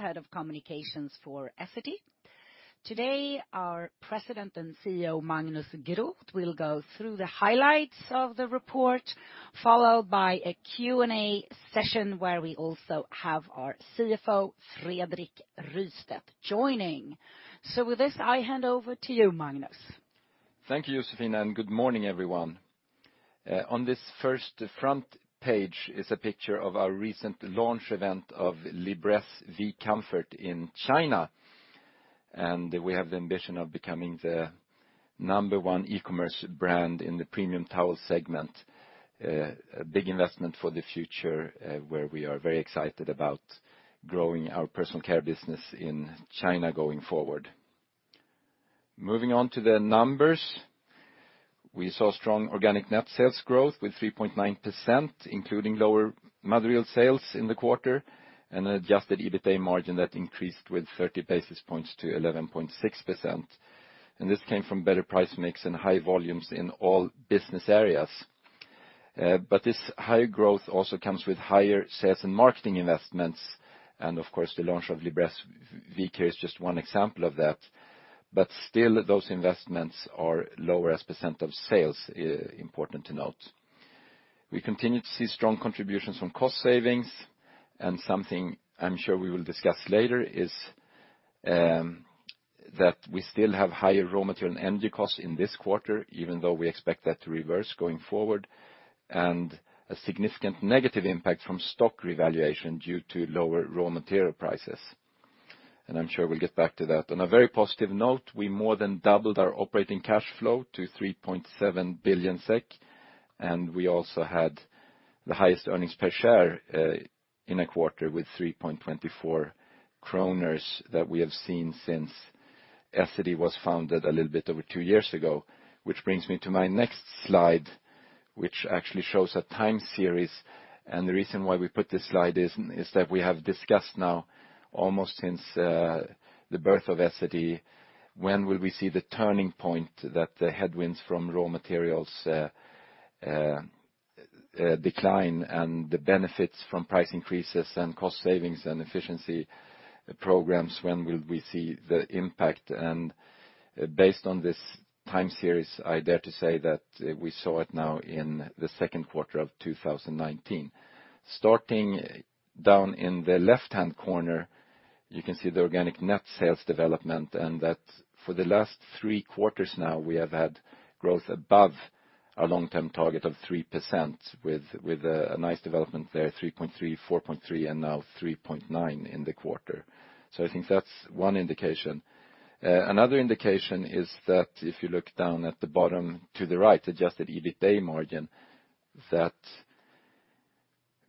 Head of Communications for Essity. Today, our President and CEO, Magnus Groth, will go through the highlights of the report, followed by a Q&A session where we also have our CFO, Fredrik Rystedt, joining. With this, I hand over to you, Magnus. Thank you, Joséphine, and good morning, everyone. On this first front page is a picture of our recent launch event of Libresse V-Comfort in China. We have the ambition of becoming the number one e-commerce brand in the premium towel segment. A big investment for the future, where we are very excited about growing our Personal Care business in China going forward. Moving on to the numbers. We saw strong organic net sales growth with 3.9%, including lower material sales in the quarter, and adjusted EBITDA margin that increased with 30 basis points to 11.6%. This came from better price mix and high volumes in all business areas. This high growth also comes with higher sales and marketing investments, and of course, the launch of Libresse V-Comfort is just one example of that. Still, those investments are lower as a % of sales, important to note. We continue to see strong contributions from cost savings. Something I'm sure we will discuss later is that we still have higher raw material and energy costs in this quarter, even though we expect that to reverse going forward. A significant negative impact from stock revaluation due to lower raw material prices. I'm sure we'll get back to that. On a very positive note, we more than doubled our operating cash flow to 3.7 billion SEK, and we also had the highest earnings per share in a quarter with 3.24 kronor that we have seen since Essity was founded a little bit over two years ago. Which brings me to my next slide, which actually shows a time series. The reason why we put this slide is that we have discussed now almost since the birth of Essity, when will we see the turning point that the headwinds from raw materials decline and the benefits from price increases and cost savings and efficiency programs? When will we see the impact? Based on this time series, I dare to say that we saw it now in the second quarter of 2019. Starting down in the left-hand corner, you can see the organic net sales development, and that for the last three quarters now, we have had growth above our long-term target of 3% with a nice development there, 3.3%, 4.3%, and now 3.9% in the quarter. I think that's one indication. Another indication is that if you look down at the bottom to the right, adjusted EBITA margin, that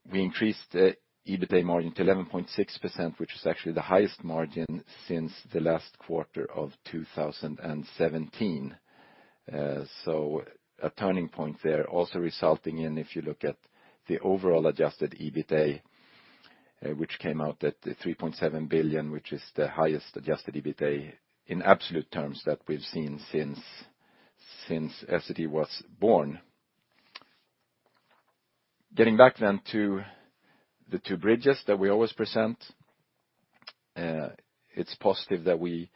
we increased the EBITA margin to 11.6%, which is actually the highest margin since the last quarter of 2017. A turning point there also resulting in, if you look at the overall adjusted EBITA, which came out at 3.7 billion, which is the highest adjusted EBITA in absolute terms that we've seen since Essity was born. Getting back to the two bridges that we always present. It's positive that we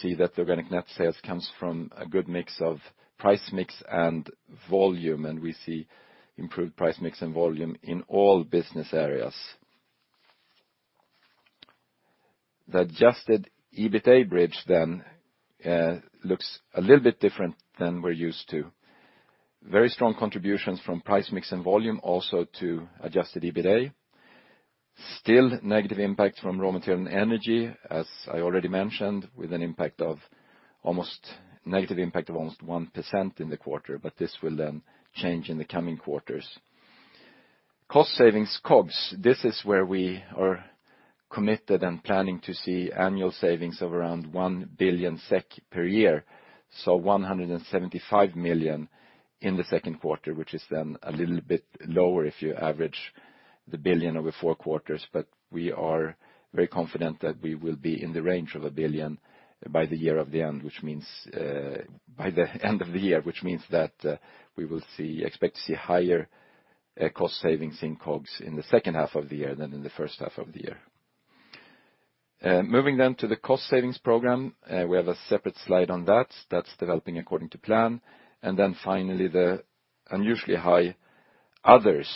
see that the organic net sales comes from a good mix of price mix and volume, and we see improved price mix and volume in all business areas. The adjusted EBITA bridge looks a little bit different than we're used to. Very strong contributions from price mix and volume also to adjusted EBITA. Still negative impact from raw material and energy, as I already mentioned, with an impact of almost 1% in the quarter, but this will change in the coming quarters. Cost savings, COGS. This is where we are committed and planning to see annual savings of around 1 billion SEK per year. 175 million in the second quarter, which is then a little bit lower if you average the billion over four quarters. We are very confident that we will be in the range of a billion by the year of the end, which means by the end of the year, which means that we will expect to see higher cost savings in COGS in the second half of the year than in the first half of the year. Moving to the cost savings program. We have a separate slide on that. That's developing according to plan. Finally, the unusually high others,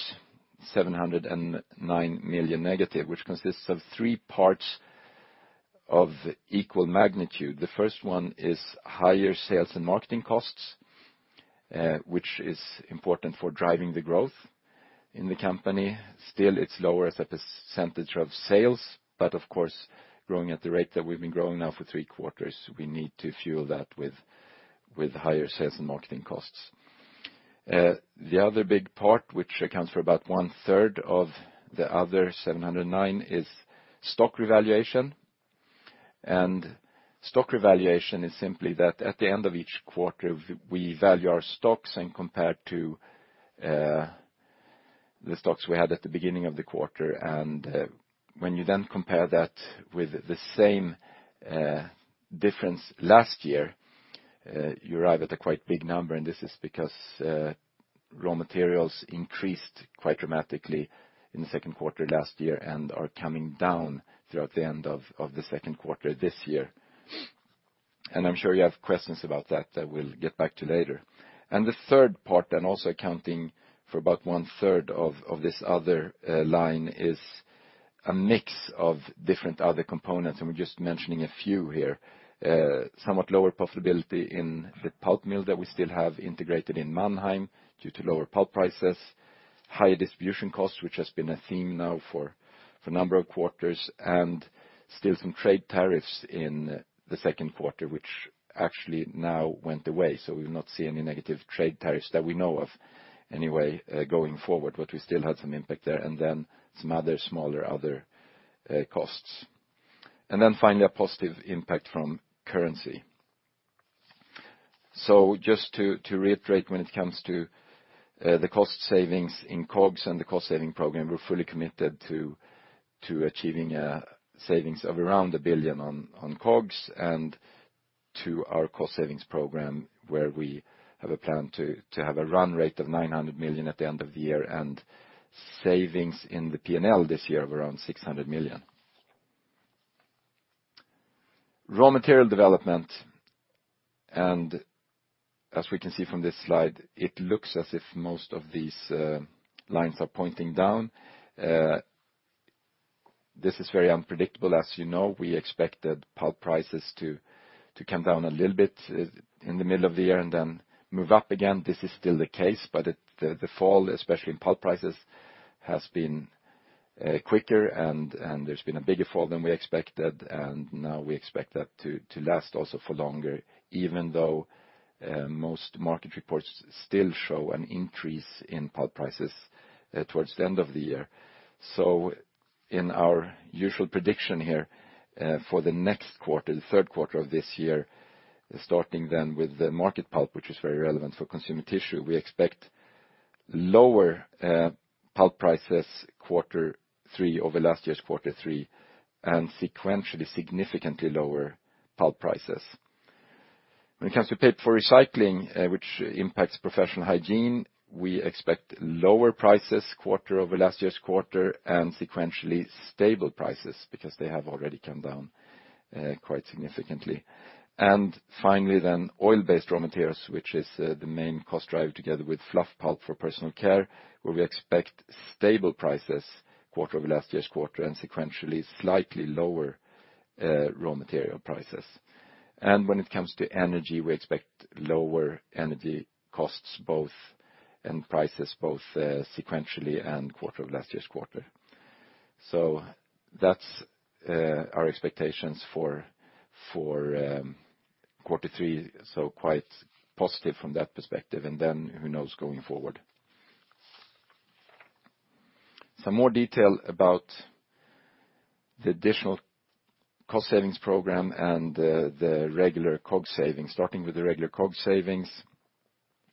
709 million negative, which consists of three parts of equal magnitude. The first one is higher sales and marketing costs, which is important for driving the growth in the company. Still, it's lower as a percentage of sales, of course, growing at the rate that we've been growing now for three quarters, we need to fuel that with higher sales and marketing costs. The other big part, which accounts for about one-third of the other 709, is stock revaluation. Stock revaluation is simply that at the end of each quarter, we value our stocks and compare to the stocks we had at the beginning of the quarter. When you then compare that with the same difference last year, you arrive at a quite big number, and this is because Raw materials increased quite dramatically in the second quarter last year, and are coming down throughout the end of the second quarter this year. I'm sure you have questions about that we'll get back to later. The third part, and also accounting for about one-third of this other line, is a mix of different other components, and we're just mentioning a few here. Somewhat lower profitability in the pulp mill that we still have integrated in Mannheim due to lower pulp prices, higher distribution costs, which has been a theme now for a number of quarters, and still some trade tariffs in the second quarter, which actually now went away. We will not see any negative trade tariffs that we know of anyway going forward, but we still had some impact there. Some other smaller other costs. Finally, a positive impact from currency. Just to reiterate, when it comes to the cost savings in COGS and the cost-saving program, we are fully committed to achieving savings of around 1 billion on COGS, and to our cost savings program, where we have a plan to have a run rate of 900 million at the end of the year, and savings in the P&L this year of around 600 million. Raw material development, and as we can see from this slide, it looks as if most of these lines are pointing down. This is very unpredictable. As you know, we expected pulp prices to come down a little bit in the middle of the year and then move up again. This is still the case, but the fall, especially in pulp prices, has been quicker and there has been a bigger fall than we expected. Now we expect that to last also for longer, even though most market reports still show an increase in pulp prices towards the end of the year. In our usual prediction here for the next quarter, the third quarter of this year, starting then with the market pulp, which is very relevant for Consumer Tissue, we expect lower pulp prices quarter three over last year's quarter three, and sequentially significantly lower pulp prices. When it comes to paper for recycling, which impacts Professional Hygiene, we expect lower prices quarter over last year's quarter and sequentially stable prices, because they have already come down quite significantly. Finally then, oil-based raw materials, which is the main cost driver together with fluff pulp for Personal Care, where we expect stable prices quarter over last year's quarter and sequentially slightly lower raw material prices. When it comes to energy, we expect lower energy costs and prices, both sequentially and quarter over last year's quarter. That is our expectations for quarter three. Quite positive from that perspective. Then, who knows going forward. Some more detail about the additional cost savings program and the regular COGS savings, starting with the regular COGS savings,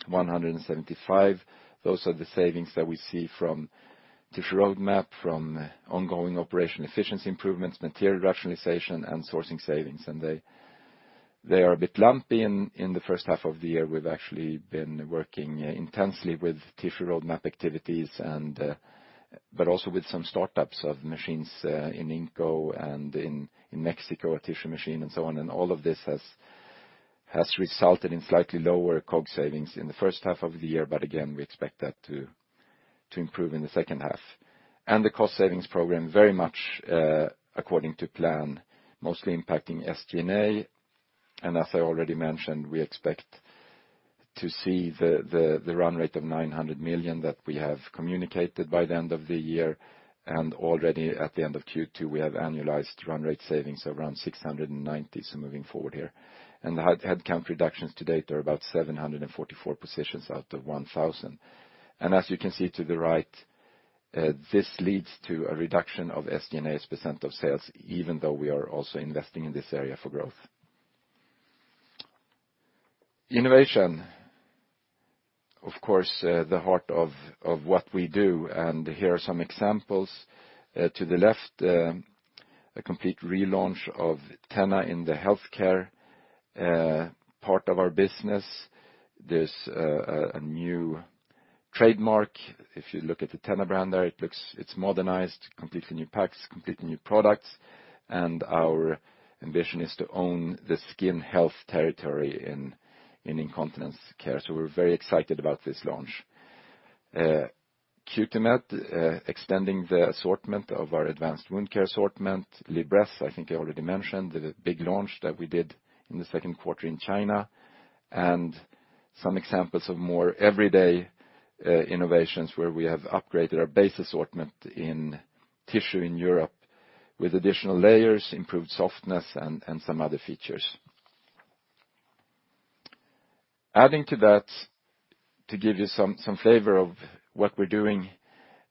175 million. Those are the savings that we see from Tissue Roadmap, from ongoing operational efficiency improvements, material rationalization, and sourcing savings. They are a bit lumpy in the first half of the year. We have actually been working intensely with Tissue Roadmap activities, but also with some startups of machines in Inco and in Mexico, a tissue machine and so on. All of this has resulted in slightly lower COGS savings in the first half of the year. Again, we expect that to improve in the second half. The cost savings program very much according to plan, mostly impacting SG&A. As I already mentioned, we expect to see the run rate of 900 million that we have communicated by the end of the year. Already at the end of Q2, we have annualized run rate savings around 690 million, so moving forward here. The headcount reductions to date are about 744 positions out of 1,000. As you can see to the right, this leads to a reduction of SG&A's % of sales, even though we are also investing in this area for growth. Innovation, of course, the heart of what we do, and here are some examples. To the left, a complete relaunch of TENA in the healthcare part of our business. There's a new trademark. If you look at the TENA brand there, it's modernized, completely new packs, completely new products. Our ambition is to own the skin health territory in incontinence care. We're very excited about this launch. Cutimed extending the assortment of our advanced wound care assortment. Libresse, I think I already mentioned, the big launch that we did in the second quarter in China. Some examples of more everyday innovations, where we have upgraded our base assortment in tissue in Europe with additional layers, improved softness, and some other features. Adding to that, to give you some flavor of what we're doing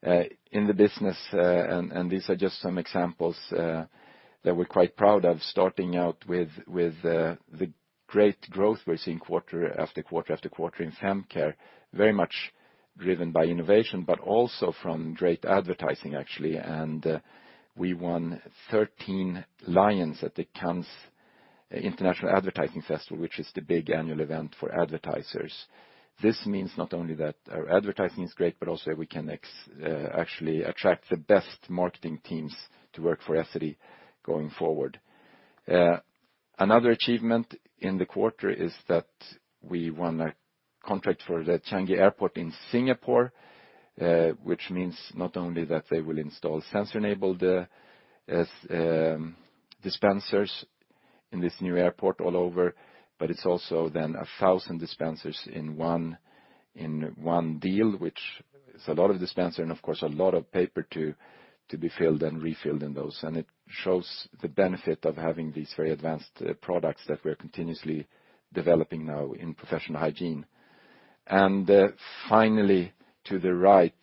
in the business, and these are just some examples that we're quite proud of, starting out with the great growth we're seeing quarter after quarter after quarter in FemCare, very much driven by innovation, but also from great advertising, actually. We won 13 Lions at the Cannes International Advertising Festival, which is the big annual event for advertisers. This means not only that our advertising is great, but also we can actually attract the best marketing teams to work for Essity going forward. Another achievement in the quarter is that we won a contract for the Changi Airport in Singapore, which means not only that they will install sensor-enabled dispensers in this new airport all over, but it's also then 1,000 dispensers in one deal, which is a lot of dispensers and, of course, a lot of paper to be filled and refilled in those. It shows the benefit of having these very advanced products that we're continuously developing now in Professional Hygiene. Finally, to the right,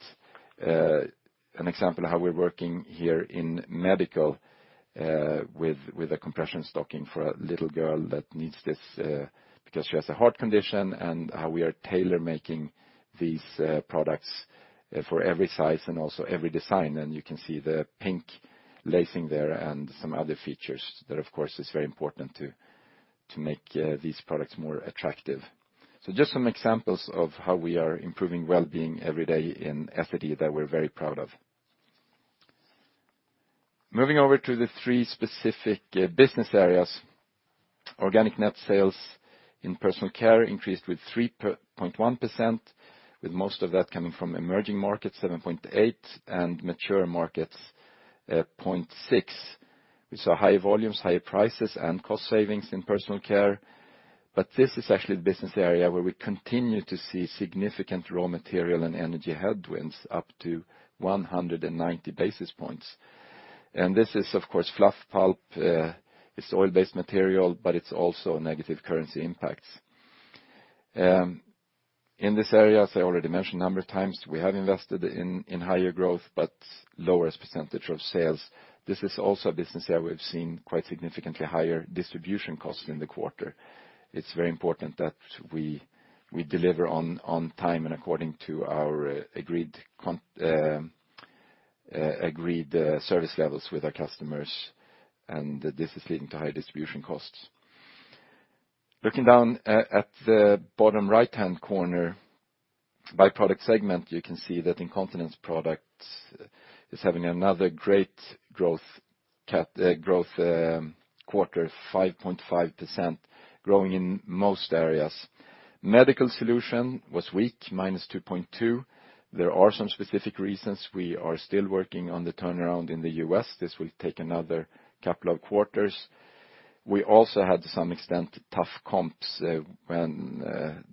an example of how we're working here in medical with a compression stocking for a little girl that needs this because she has a heart condition, and how we are tailor-making these products for every size and also every design. You can see the pink lacing there and some other features that, of course, is very important to make these products more attractive. Just some examples of how we are improving wellbeing every day in Essity that we're very proud of. Moving over to the three specific business areas. Organic net sales in Personal Care increased with 3.1%, with most of that coming from emerging markets, 7.8%, and mature markets, 0.6%. This is actually the business area where we continue to see significant raw material and energy headwinds, up to 190 basis points. This is, of course, fluff pulp. It's oil-based material, but it's also negative currency impacts. In this area, as I already mentioned a number of times, we have invested in higher growth, but lower as a % of sales. This is also a business area we've seen quite significantly higher distribution costs in the quarter. It's very important that we deliver on time and according to our agreed service levels with our customers, and this is leading to higher distribution costs. Looking down at the bottom right-hand corner, by product segment, you can see that incontinence products is having another great growth quarter, 5.5%, growing in most areas. Medical solution was weak, minus 2.2%. There are some specific reasons. We are still working on the turnaround in the U.S. This will take another couple of quarters. We also had, to some extent, tough comps when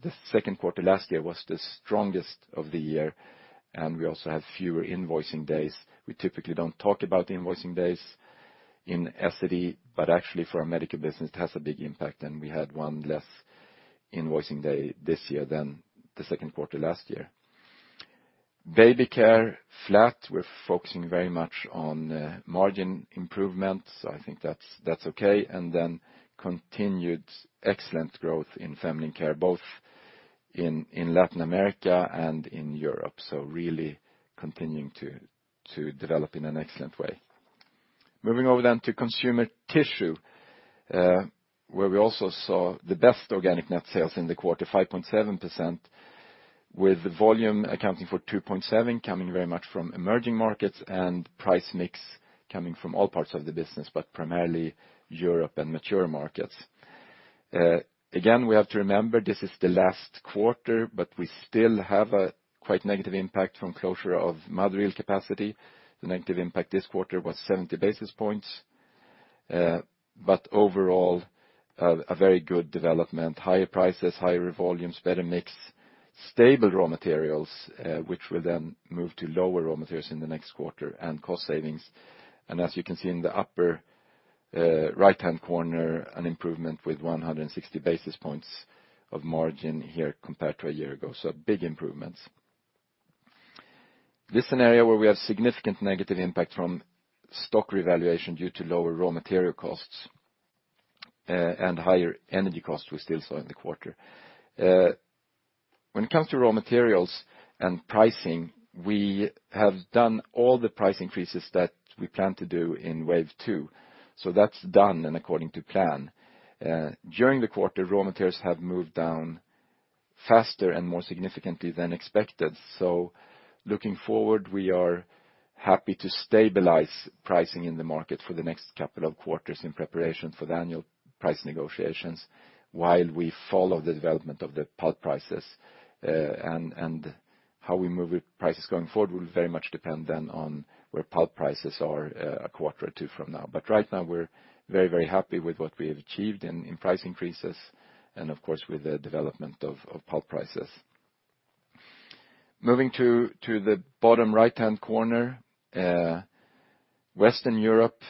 the second quarter last year was the strongest of the year, and we also had fewer invoicing days. We typically don't talk about invoicing days in Essity, but actually for our medical business, it has a big impact. We had one less invoicing day this year than the second quarter last year. Baby care, flat. We're focusing very much on margin improvements. I think that's okay. Continued excellent growth in feminine care, both in Latin America and in Europe. Really continuing to develop in an excellent way. Moving over to Consumer Tissue, where we also saw the best organic net sales in the quarter, 5.7%, with volume accounting for 2.7% coming very much from emerging markets, and price mix coming from all parts of the business, but primarily Europe and mature markets. Again, we have to remember this is the last quarter, but we still have a quite negative impact from closure of Madrid capacity. The negative impact this quarter was 70 basis points. Overall, a very good development. Higher prices, higher volumes, better mix, stable raw materials, which will then move to lower raw materials in the next quarter, and cost savings. As you can see in the upper right-hand corner, an improvement with 160 basis points of margin here compared to a year ago. Big improvements. This is an area where we have significant negative impact from stock revaluation due to lower raw material costs and higher energy costs we still saw in the quarter. When it comes to raw materials and pricing, we have done all the price increases that we plan to do in Wave Two. That's done and according to plan. During the quarter, raw materials have moved down faster and more significantly than expected. Looking forward, we are happy to stabilize pricing in the market for the next couple of quarters in preparation for the annual price negotiations while we follow the development of the pulp prices. How we move with prices going forward will very much depend then on where pulp prices are a quarter or two from now. Right now, we're very happy with what we have achieved in price increases and, of course, with the development of pulp prices. Moving to the bottom right-hand corner. Western Europe,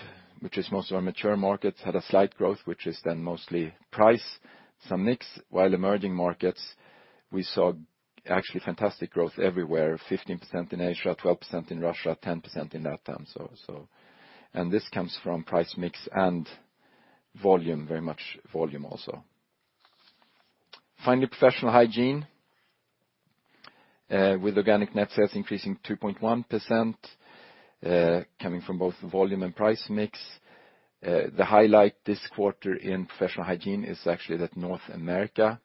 which is most of our mature markets, had a slight growth, which is then mostly price, some mix. While emerging markets, we saw actually fantastic growth everywhere, 15% in Asia, 12% in Russia, 10% in LATAM. This comes from price mix and volume, very much volume also. Finally, Professional Hygiene. With organic net sales increasing 2.1%, coming from both volume and price mix. The highlight this quarter in Professional Hygiene is actually that North America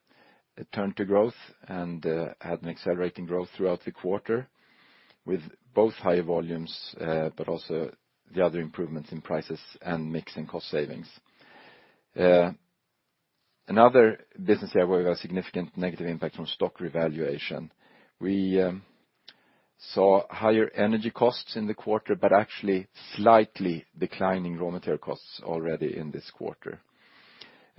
turned to growth and had an accelerating growth throughout the quarter with both high volumes, but also the other improvements in prices and mixing cost savings. Another business area where we have significant negative impact from stock revaluation. We saw higher energy costs in the quarter, but actually slightly declining raw material costs already in this quarter.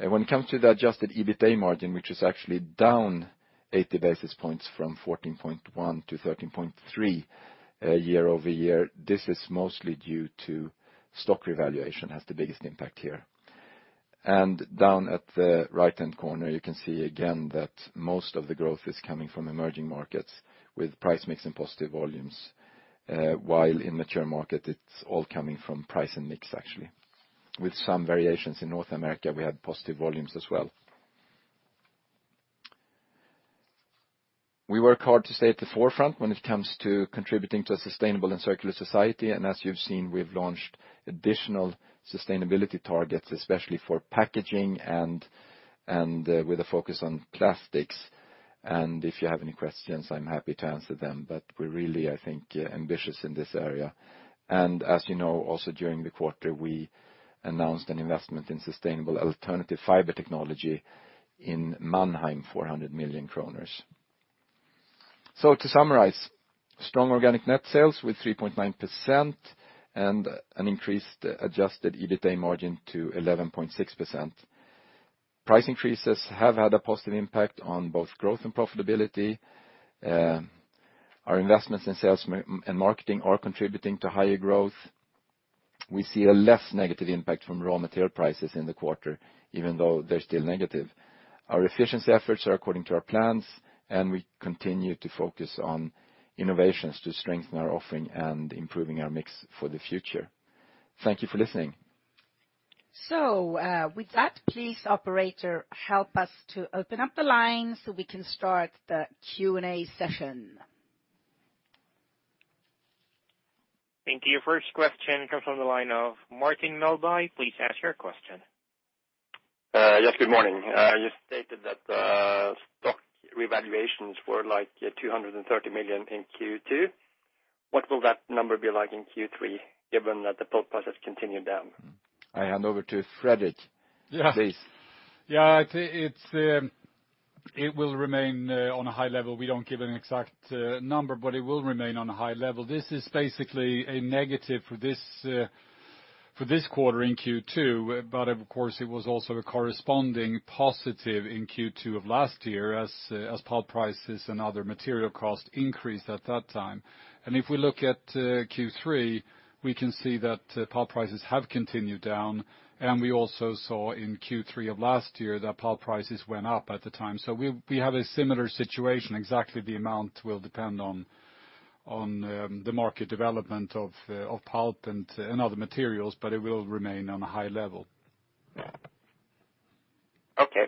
When it comes to the adjusted EBITA margin, which is actually down 80 basis points from 14.1% to 13.3% year-over-year. This is mostly due to stock revaluation, has the biggest impact here. Down at the right-hand corner, you can see again that most of the growth is coming from emerging markets with price mix and positive volumes, while in mature market it's all coming from price and mix actually. With some variations in North America, we had positive volumes as well. We work hard to stay at the forefront when it comes to contributing to a sustainable and circular society. As you've seen, we've launched additional sustainability targets, especially for packaging and with a focus on plastics. If you have any questions, I'm happy to answer them. We're really, I think, ambitious in this area. As you know, also during the quarter, we announced an investment in sustainable alternative fiber technology in Mannheim, 400 million kronor. To summarize, strong organic net sales with 3.9% and an increased adjusted EBITA margin to 11.6%. Price increases have had a positive impact on both growth and profitability. Our investments in sales and marketing are contributing to higher growth. We see a less negative impact from raw material prices in the quarter, even though they're still negative. Our efficiency efforts are according to our plans, and we continue to focus on innovations to strengthen our offering and improving our mix for the future. Thank you for listening. With that, please operator, help us to open up the line so we can start the Q&A session. Thank you. First question comes from the line of Martin Melbye. Please ask your question. Yes, good morning. You stated that stock revaluations were like 230 million in Q2. What will that number be like in Q3, given that the pulp prices continued down? I hand over to Fredrik. Yeah. Please. Yeah. It will remain on a high level. We don't give an exact number, but it will remain on a high level. This is basically a negative for this quarter in Q2. Of course, it was also a corresponding positive in Q2 of last year as pulp prices and other material costs increased at that time. If we look at Q3, we can see that pulp prices have continued down. We also saw in Q3 of last year that pulp prices went up at the time. We have a similar situation. Exactly the amount will depend on the market development of pulp and other materials, but it will remain on a high level. Okay.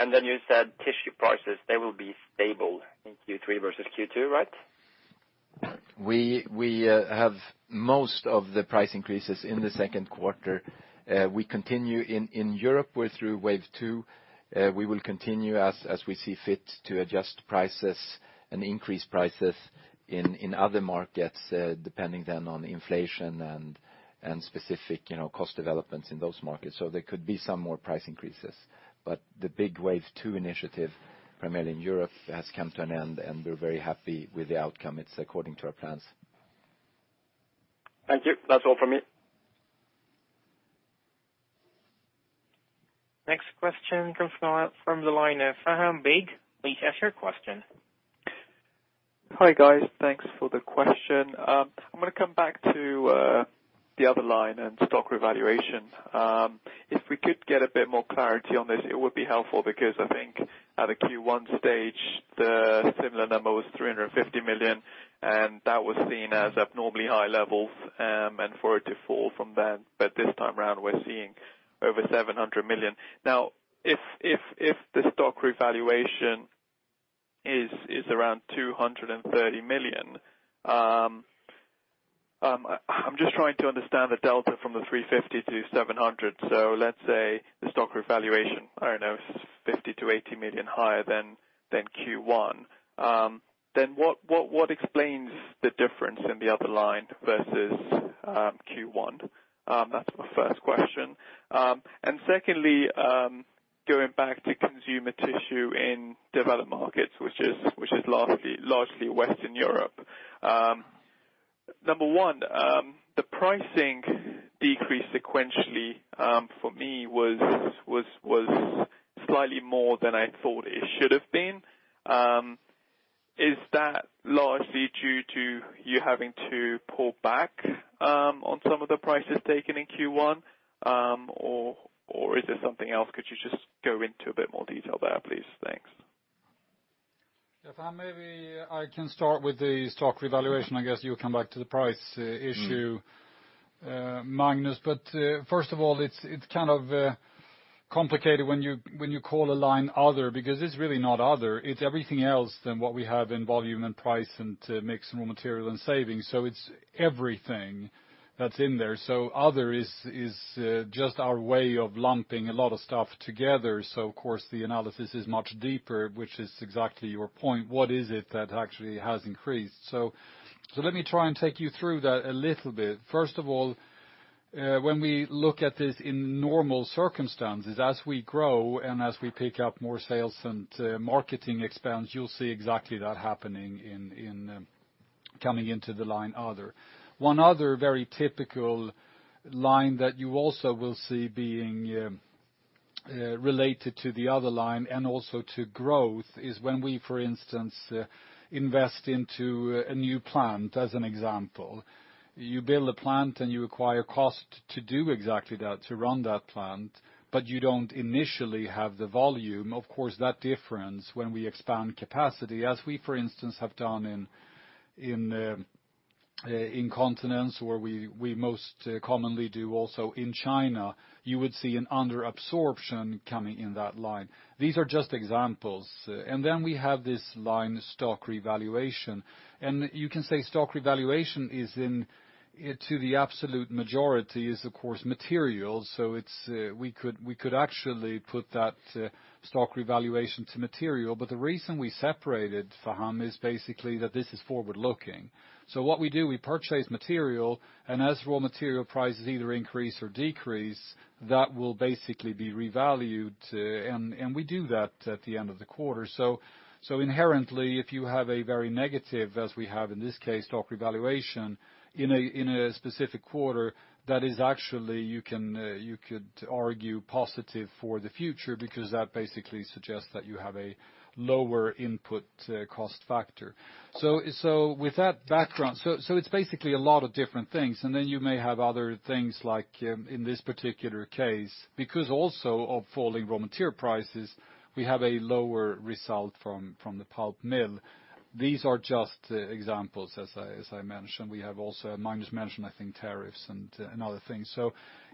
You said tissue prices, they will be stable in Q3 versus Q2, right? We have most of the price increases in the second quarter. We continue in Europe. We're through Wave Two. We will continue as we see fit to adjust prices and increase prices in other markets, depending then on inflation and specific cost developments in those markets. There could be some more price increases. The big Wave Two initiative, primarily in Europe, has come to an end, and we're very happy with the outcome. It's according to our plans. Thank you. That's all from me. Next question comes from the line of Faham Baig. Please ask your question. Hi, guys. Thanks for the question. I'm going to come back to the other line and stock revaluation. If we could get a bit more clarity on this, it would be helpful because I think at a Q1 stage, the similar number was 350 million, and that was seen as abnormally high levels, and for it to fall from then. This time around, we're seeing over 700 million. If the stock revaluation is around 230 million, I'm just trying to understand the delta from the 350 million to 700 million. Let's say the stock revaluation, I don't know, 50 million to 80 million higher than Q1. What explains the difference in the other line versus Q1? That's my first question. Secondly, going back to Consumer Tissue in developed markets, which is largely Western Europe. Number one, the pricing decreased sequentially for me was slightly more than I thought it should have been. Is that largely due to you having to pull back on some of the prices taken in Q1? Is there something else? Could you just go into a bit more detail there, please? Thanks. Faham, maybe I can start with the stock revaluation. I guess you'll come back to the price issue, Magnus. First of all, it's kind of complicated when you call a line other, because it's really not other, it's everything else than what we have in volume and price, and mix, raw material, and savings. It's everything that's in there. Other is just our way of lumping a lot of stuff together. Of course, the analysis is much deeper, which is exactly your point. What is it that actually has increased? Let me try and take you through that a little bit. First of all, when we look at this in normal circumstances, as we grow and as we pick up more sales and marketing expense, you'll see exactly that happening in coming into the line other. One other very typical line that you also will see being related to the other line and also to growth is when we, for instance, invest into a new plant, as an example. You build a plant, you acquire cost to do exactly that, to run that plant, you don't initially have the volume. Of course, that difference when we expand capacity, as we, for instance, have done in Incontinence where we most commonly do also in China, you would see an under-absorption coming in that line. These are just examples. We have this line, stock revaluation. You can say stock revaluation is in to the absolute majority is, of course, materials. The reason we separated, Faham, is basically that this is forward-looking. What we do, we purchase material, as raw material prices either increase or decrease, that will basically be revalued, and we do that at the end of the quarter. Inherently, if you have a very negative, as we have in this case, stock revaluation in a specific quarter, that is actually you could argue, positive for the future, because that basically suggests that you have a lower input cost factor. It's basically a lot of different things, and then you may have other things like in this particular case, because also of falling raw material prices, we have a lower result from the pulp mill. These are just examples, as I mentioned. We have also, Magnus mentioned, I think, tariffs and other things.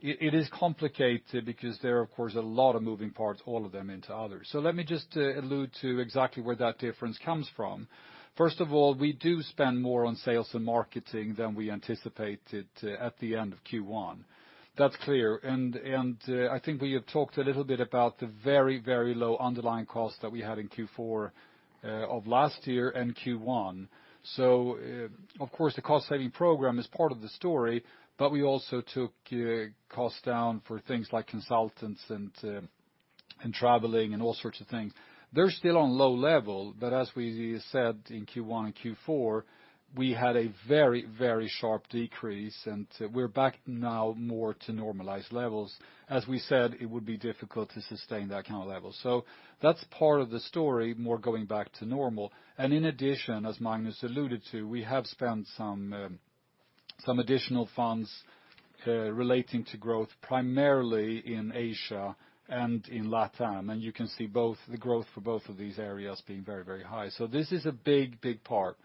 It is complicated because there are, of course, a lot of moving parts, all of them into others. Let me just allude to exactly where that difference comes from. First of all, we do spend more on sales and marketing than we anticipated at the end of Q1. That's clear, and I think we have talked a little bit about the very, very low underlying cost that we had in Q4 of last year and Q1. Of course, the cost-saving program is part of the story, but we also took costs down for things like consultants and traveling, and all sorts of things. They're still on low level, but as we said, in Q1 and Q4, we had a very, very sharp decrease, and we're back now more to normalized levels. As we said, it would be difficult to sustain that kind of level. That's part of the story, more going back to normal. In addition, as Magnus alluded to, we have spent some additional funds relating to growth, primarily in Asia and in LATAM. You can see both the growth for both of these areas being very, very high. This is a big, big part.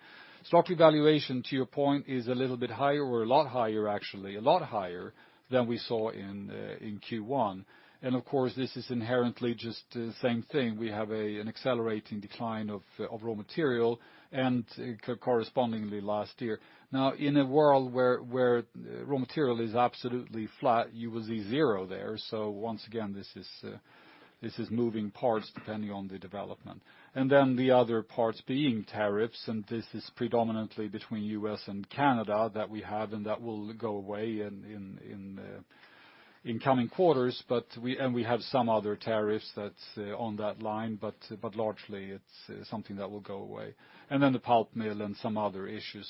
Stock revaluation, to your point, is a little bit higher or a lot higher, actually, a lot higher than we saw in Q1. Of course, this is inherently just the same thing. We have an accelerating decline of raw material and correspondingly last year. Now, in a world where raw material is absolutely flat, you will see zero there. Once again, this is moving parts depending on the development. The other parts being tariffs, and this is predominantly between U.S. and Canada that we have, and that will go away in coming quarters. We have some other tariffs that's on that line, but largely it's something that will go away. The pulp mill and some other issues.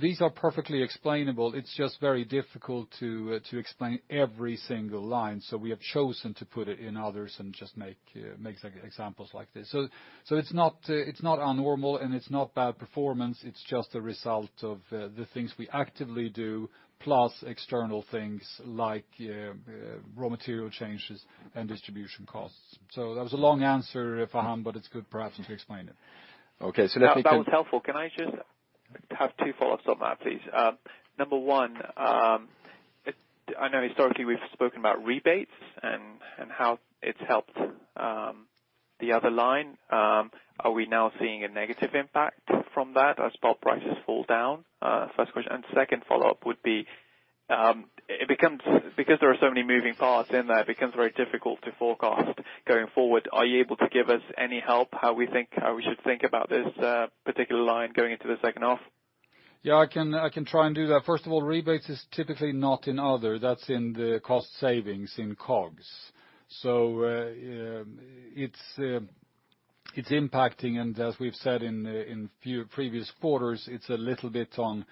These are perfectly explainable. It's just very difficult to explain every single line. We have chosen to put it in others and just make examples like this. It's not abnormal, and it's not bad performance. It's just a result of the things we actively do, plus external things like raw material changes and distribution costs. That was a long answer, Faham, but it's good perhaps to explain it. Okay. That was helpful. Can I just have two follow-ups on that, please? Number one, I know historically we've spoken about rebates and how it's helped the other line. Are we now seeing a negative impact from that as pulp prices fall down? First question. Second follow-up would be, because there are so many moving parts in there, it becomes very difficult to forecast going forward. Are you able to give us any help how we should think about this particular line going into the second half? Yeah, I can try and do that. First of all, rebates is typically not in other, that's in the cost savings in COGS. It's impacting, and as we've said in previous quarters, it's a little bit on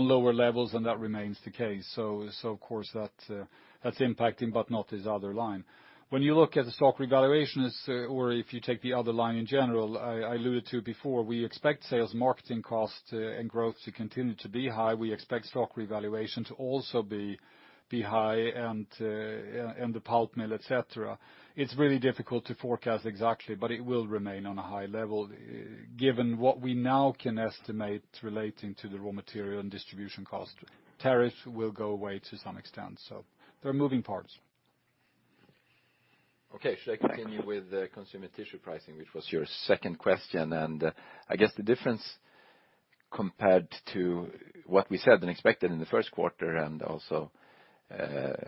lower levels, and that remains the case. Of course, that's impacting, but not this other line. When you look at the stock revaluations or if you take the other line in general, I alluded to before, we expect sales, marketing costs, and growth to continue to be high. We expect stock revaluation to also be high and the pulp mill, et cetera. It's really difficult to forecast exactly, but it will remain on a high level, given what we now can estimate relating to the raw material and distribution cost. Tariffs will go away to some extent. They're moving parts. Okay. Should I continue with the Consumer Tissue pricing, which was your second question? I guess the difference compared to what we said and expected in the first quarter and also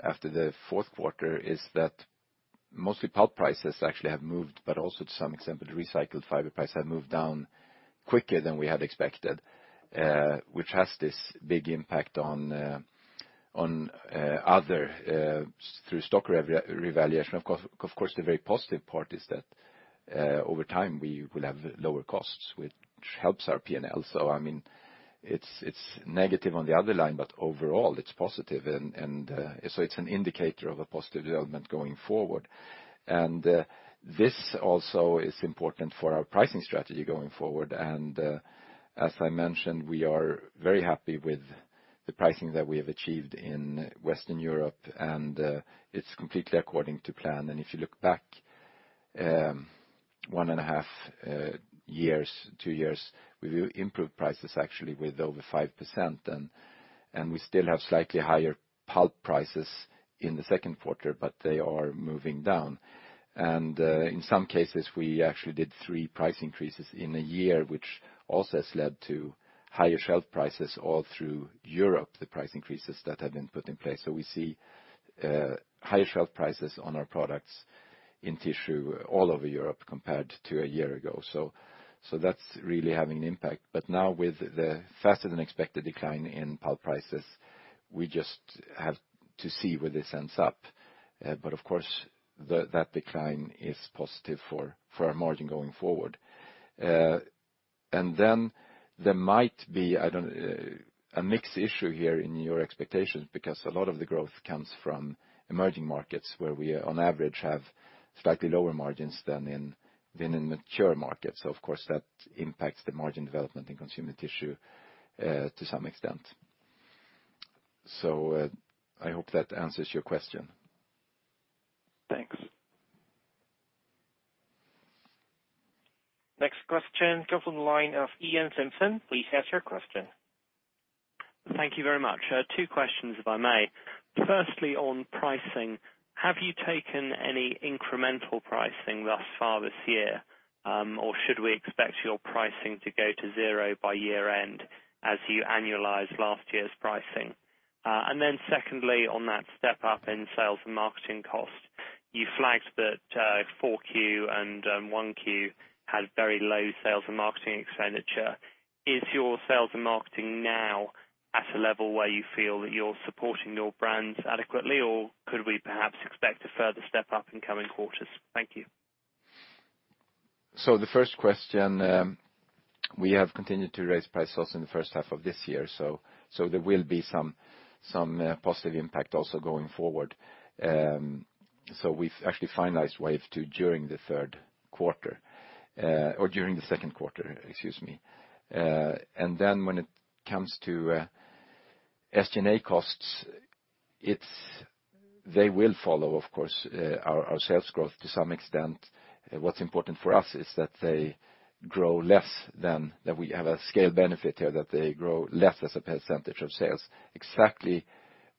after the fourth quarter, is that mostly pulp prices actually have moved, but also to some extent, the recycled fiber price has moved down quicker than we had expected, which has this big impact through stock revaluation. Of course, the very positive part is that, over time, we will have lower costs, which helps our P&L. It's negative on the other line, but overall, it's positive. It's an indicator of a positive development going forward. This also is important for our pricing strategy going forward. As I mentioned, we are very happy with the pricing that we have achieved in Western Europe, and it's completely according to plan. If you look back one and a half years, two years, we will improve prices actually with over 5%. We still have slightly higher pulp prices in the second quarter, but they are moving down. In some cases, we actually did three price increases in a year, which also has led to higher shelf prices all through Europe, the price increases that have been put in place. We see higher shelf prices on our products in tissue all over Europe compared to a year ago. That's really having an impact. Now with the faster than expected decline in pulp prices, we just have to see where this ends up. Of course, that decline is positive for our margin going forward. There might be a mixed issue here in your expectations, because a lot of the growth comes from emerging markets, where we on average have slightly lower margins than in mature markets. Of course, that impacts the margin development in Consumer Tissue, to some extent. I hope that answers your question. Thanks. Next question comes from the line of Iain Simpson. Please ask your question. Thank you very much. Two questions, if I may. Firstly, on pricing, have you taken any incremental pricing thus far this year? Or should we expect your pricing to go to zero by year-end as you annualize last year's pricing? Secondly, on that step up in sales and marketing cost, you flagged that 4Q and 1Q had very low sales and marketing expenditure. Is your sales and marketing now at a level where you feel that you're supporting your brands adequately, or could we perhaps expect a further step up in coming quarters? Thank you. The first question, we have continued to raise price also in the first half of this year. There will be some positive impact also going forward. We've actually finalized Wave Two during the third quarter, or during the second quarter, excuse me. When it comes to SG&A costs, they will follow, of course, our sales growth to some extent. What's important for us is that we have a scale benefit here, that they grow less as a percentage of sales. Exactly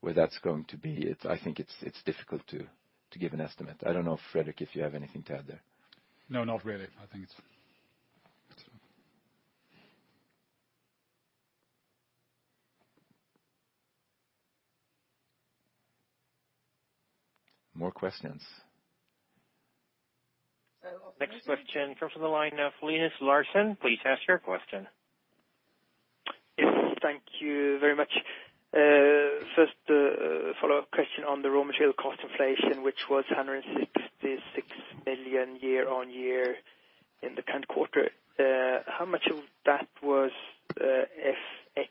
where that's going to be, I think it's difficult to give an estimate. I don't know if, Fredrik, if you have anything to add there. No, not really. I think it's. More questions? Next question comes from the line of Linus Larsson. Please ask your question. Yes, thank you very much. First, a follow-up question on the raw material cost inflation, which was 166 million year-on-year in the current quarter. How much of that was FX?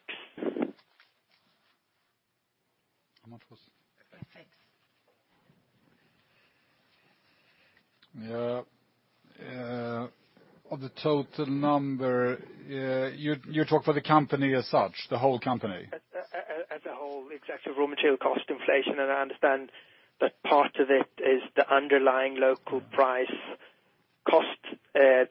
How much was? FX. Of the total number, you talk for the company as such? The whole company? As a whole, exactly. Raw material cost inflation. I understand that part of it is the underlying local price cost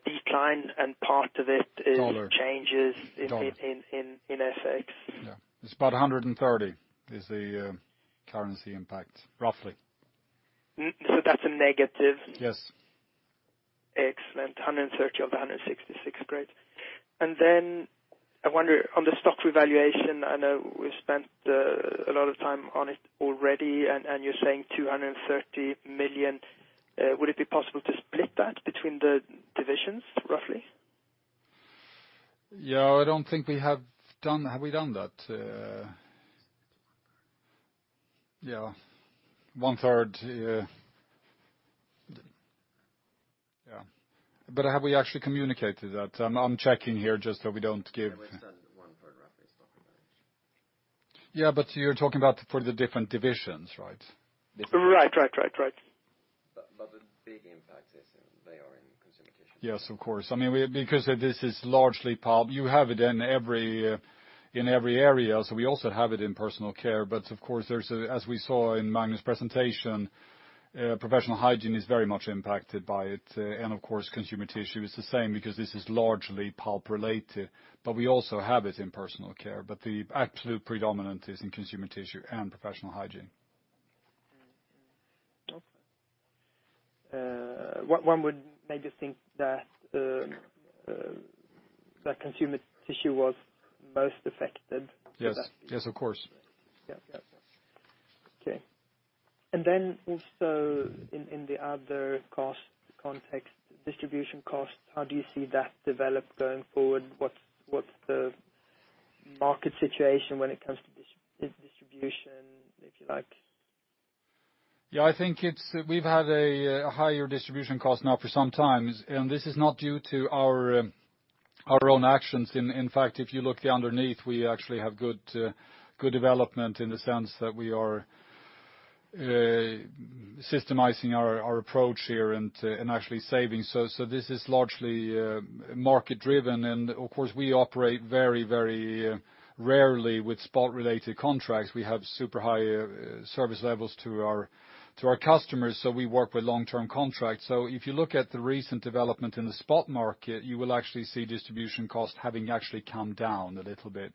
decline, and part of it- Dollar is changes- Dollar in FX. Yeah. It's about 130 is the currency impact, roughly. That's a negative? Yes. Excellent. 130 of 166. Great. I wonder on the stock revaluation, I know we've spent a lot of time on it already, and you're saying 230 million. Would it be possible to split that between the divisions, roughly? Yeah, I don't think we have. Have we done that? It's one-third. Yeah. One third. Yeah. Have we actually communicated that? I'm checking here just so we don't give. Yeah, we said one-third roughly is stock revaluation. Yeah, you're talking about for the different divisions, right? Right. The big impact is they are in Consumer Tissue? Yes, of course. Because this is largely pulp. You have it in every area, so we also have it in Personal Care. Of course, as we saw in Magnus' presentation, Professional Hygiene is very much impacted by it. Of course, Consumer Tissue is the same because this is largely pulp related, but we also have it in Personal Care. The absolute predominant is in Consumer Tissue and Professional Hygiene. Okay. One would maybe think that Consumer Tissue was most affected. Yes, of course. Yeah. Okay. Then also in the other cost context, distribution costs, how do you see that develop going forward? What's the market situation when it comes to distribution, if you like? Yeah, I think we've had a higher distribution cost now for some time, and this is not due to our own actions. In fact, if you look underneath, we actually have good development in the sense that we are systemizing our approach here and actually saving. This is largely market driven. Of course, we operate very rarely with spot-related contracts. We have super high service levels to our customers, we work with long-term contracts. If you look at the recent development in the spot market, you will actually see distribution cost having actually come down a little bit.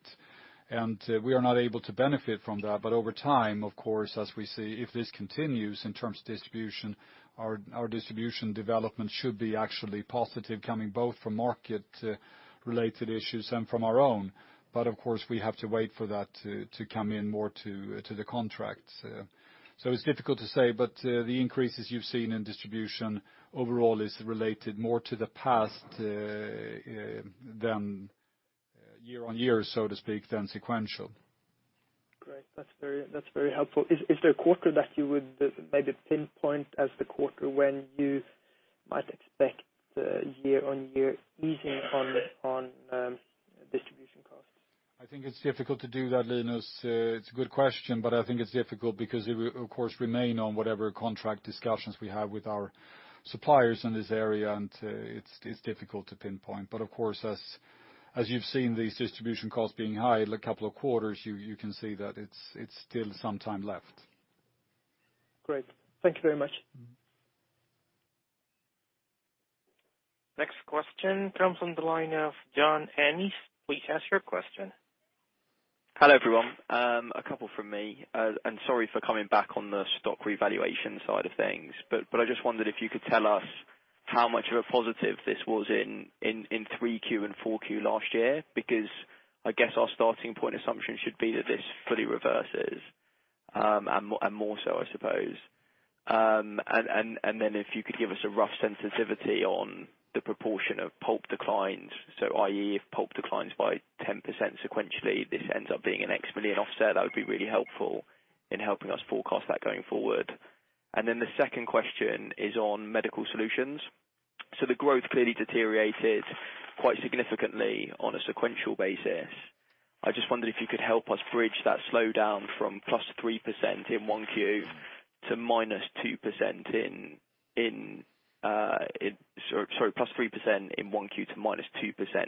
We are not able to benefit from that. Over time, of course, as we see, if this continues in terms of distribution, our distribution development should be actually positive coming both from market-related issues and from our own. Of course, we have to wait for that to come in more to the contracts. It's difficult to say, but the increases you've seen in distribution overall is related more to the past than year-on-year, so to speak, than sequential. Great. That's very helpful. Is there a quarter that you would maybe pinpoint as the quarter when you might expect the year-on-year easing on distribution costs? I think it's difficult to do that, Linus. It's a good question, but I think it's difficult because it will, of course, remain on whatever contract discussions we have with our suppliers in this area, and it's difficult to pinpoint. Of course, as you've seen these distribution costs being high a couple of quarters, you can see that it's still some time left. Great. Thank you very much. Next question comes on the line of John Ennis. Please ask your question. Hello, everyone. A couple from me, sorry for coming back on the stock revaluation side of things. I just wondered if you could tell us how much of a positive this was in 3Q and 4Q last year, because I guess our starting point assumption should be that this fully reverses, and more so, I suppose. If you could give us a rough sensitivity on the proportion of pulp declines. I.e., if pulp declines by 10% sequentially, this ends up being an X million offset. That would be really helpful in helping us forecast that going forward. The second question is on medical solutions. The growth clearly deteriorated quite significantly on a sequential basis. I just wondered if you could help us bridge that slowdown from plus 3% in 1Q to minus 2%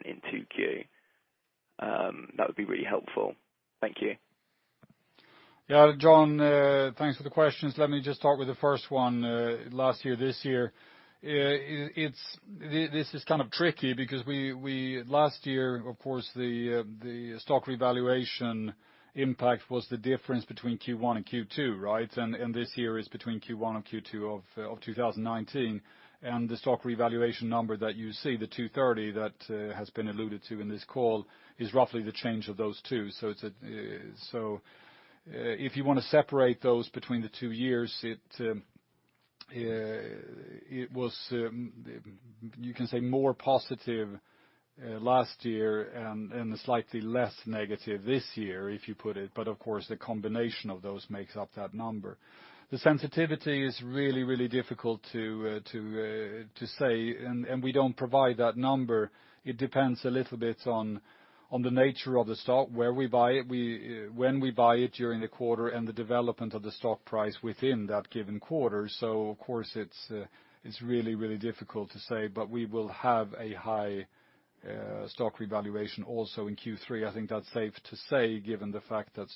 in 2Q. That would be really helpful. Thank you. Yeah. John, thanks for the questions. Let me just start with the first one. Last year, this year. This is kind of tricky because last year, of course, the stock revaluation impact was the difference between Q1-Q2, right? This year is between Q1-Q2 of 2019. The stock revaluation number that you see, the 230 that has been alluded to in this call, is roughly the change of those two. If you want to separate those between the two years, it was, you can say more positive last year, and slightly less negative this year, if you put it. Of course, the combination of those makes up that number. The sensitivity is really difficult to say, and we don't provide that number. It depends a little bit on the nature of the stock, where we buy it, when we buy it during the quarter, and the development of the stock price within that given quarter. Of course, it's really difficult to say, but we will have a high stock revaluation also in Q3. I think that's safe to say given the fact that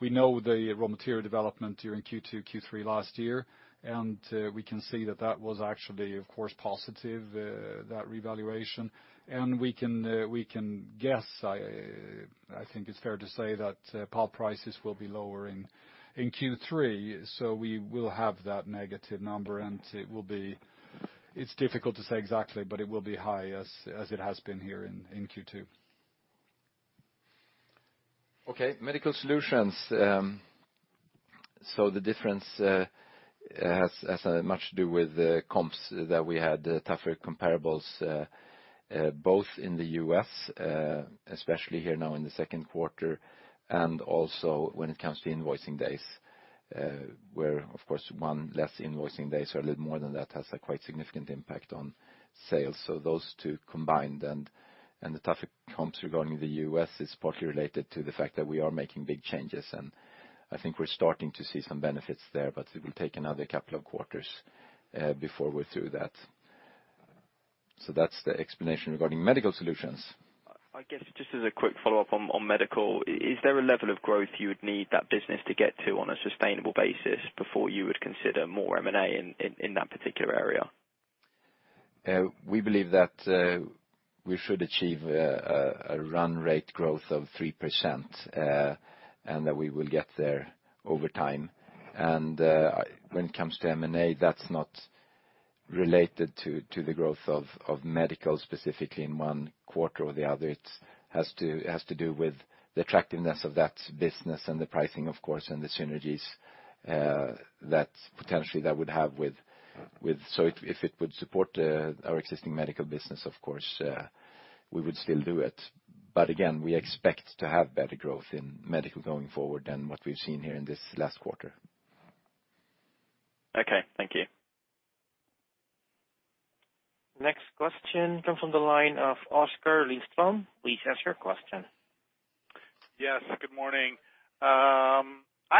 we know the raw material development during Q2, Q3 last year, and we can see that was actually, of course, positive, that revaluation. We can guess, I think it's fair to say that pulp prices will be lower in Q3. We will have that negative number, and it's difficult to say exactly, but it will be high as it has been here in Q2. Okay, medical solutions. The difference has much to do with the comps that we had tougher comparables, both in the U.S., especially here now in the second quarter, and also when it comes to invoicing days, where, of course, one less invoicing day, so a little more than that, has a quite significant impact on sales. Those two combined, and the tougher comps regarding the U.S. is partly related to the fact that we are making big changes, and I think we're starting to see some benefits there, but it will take another couple of quarters before we're through that. That's the explanation regarding medical solutions. I guess, just as a quick follow-up on medical, is there a level of growth you would need that business to get to on a sustainable basis before you would consider more M&A in that particular area? We believe that we should achieve a run rate growth of 3%, that we will get there over time. When it comes to M&A, that's not related to the growth of medical, specifically in one quarter or the other. It has to do with the attractiveness of that business and the pricing, of course, and the synergies potentially that would have with If it would support our existing medical business, of course, we would still do it. Again, we expect to have better growth in medical going forward than what we've seen here in this last quarter. Okay, thank you. Next question comes from the line of Oskar Lindström. Please ask your question. Yes, good morning. I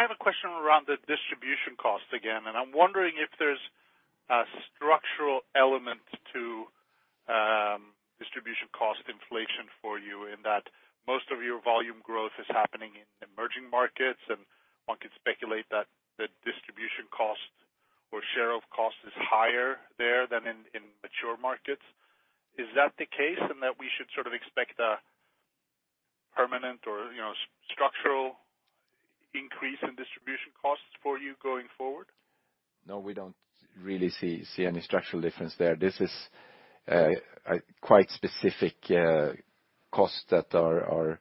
have a question around the distribution cost again. I'm wondering if there's a structural element to distribution cost inflation for you in that most of your volume growth is happening in emerging markets. One could speculate that the distribution cost or share of cost is higher there than in mature markets. Is that the case that we should sort of expect a permanent or structural increase in distribution costs for you going forward? No, we don't really see any structural difference there. This is a quite specific cost that are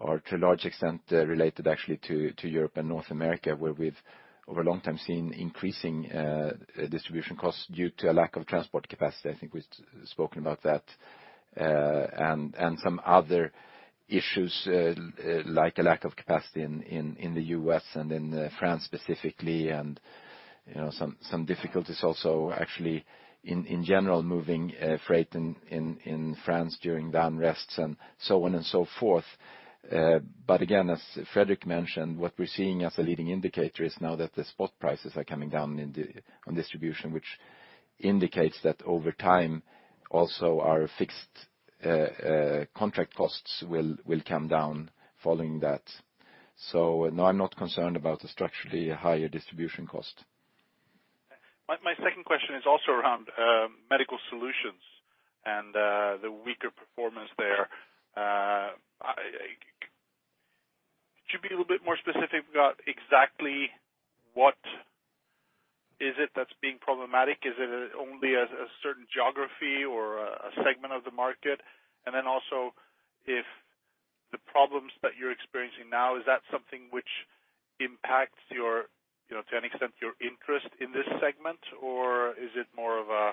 to a large extent related actually to Europe and North America, where we've over a long time seen increasing distribution costs due to a lack of transport capacity. I think we've spoken about that, some other issues, like a lack of capacity in the U.S. and in France specifically, some difficulties also actually in general, moving freight in France during the unrests and so on and so forth. Again, as Fredrik mentioned, what we're seeing as a leading indicator is now that the spot prices are coming down on distribution, which indicates that over time, also our fixed contract costs will come down following that. No, I'm not concerned about the structurally higher distribution cost. My second question is also around medical solutions and the weaker performance there. Could you be a little bit more specific about exactly what is it that's being problematic? Then also, if the problems that you're experiencing now, is that something which impacts to an extent your interest in this segment, or is it more of a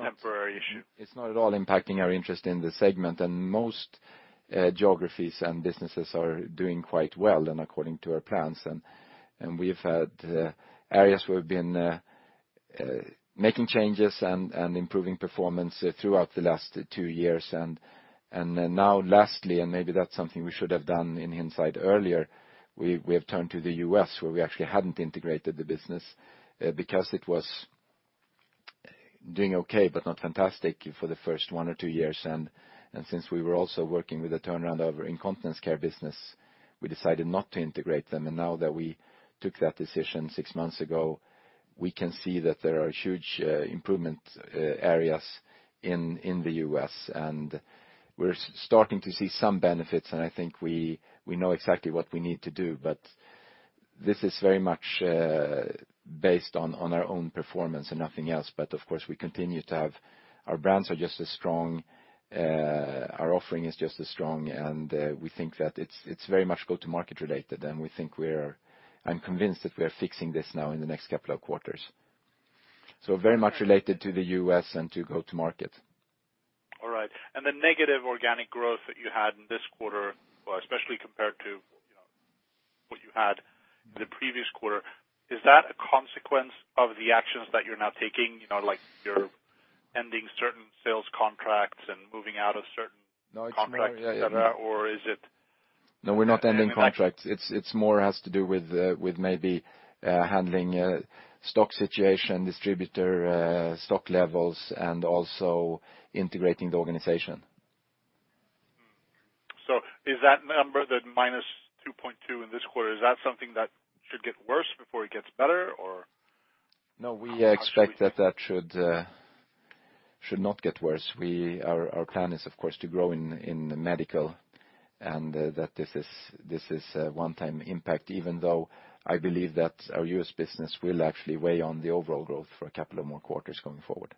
temporary issue? It's not at all impacting our interest in the segment, most geographies and businesses are doing quite well and according to our plans. We've had areas where we've been making changes and improving performance throughout the last two years. Now lastly, maybe that's something we should have done in hindsight earlier, we have turned to the U.S. where we actually hadn't integrated the business because it was doing okay but not fantastic for the first one or two years. Since we were also working with the turnaround of our incontinence care business, we decided not to integrate them. Now that we took that decision six months ago, we can see that there are huge improvement areas in the U.S., we're starting to see some benefits, and I think we know exactly what we need to do. This is very much based on our own performance and nothing else. Of course, we continue to have our brands are just as strong, our offering is just as strong, and we think that it's very much go to market related. I'm convinced that we are fixing this now in the next couple of quarters. Very much related to the U.S. and to go to market. All right. The negative organic growth that you had in this quarter, especially compared to what you had in the previous quarter, is that a consequence of the actions that you're now taking? Like you're ending certain sales contracts and moving out of certain contracts, et cetera? No, we're not ending contracts. It more has to do with maybe handling stock situation, distributor stock levels, and also integrating the organization. Is that number, the -2.2% in this quarter, is that something that should get worse before it gets better or? No, we expect that that should not get worse. Our plan is, of course, to grow in the medical and that this is a one-time impact, even though I believe that our U.S. business will actually weigh on the overall growth for a couple of more quarters going forward.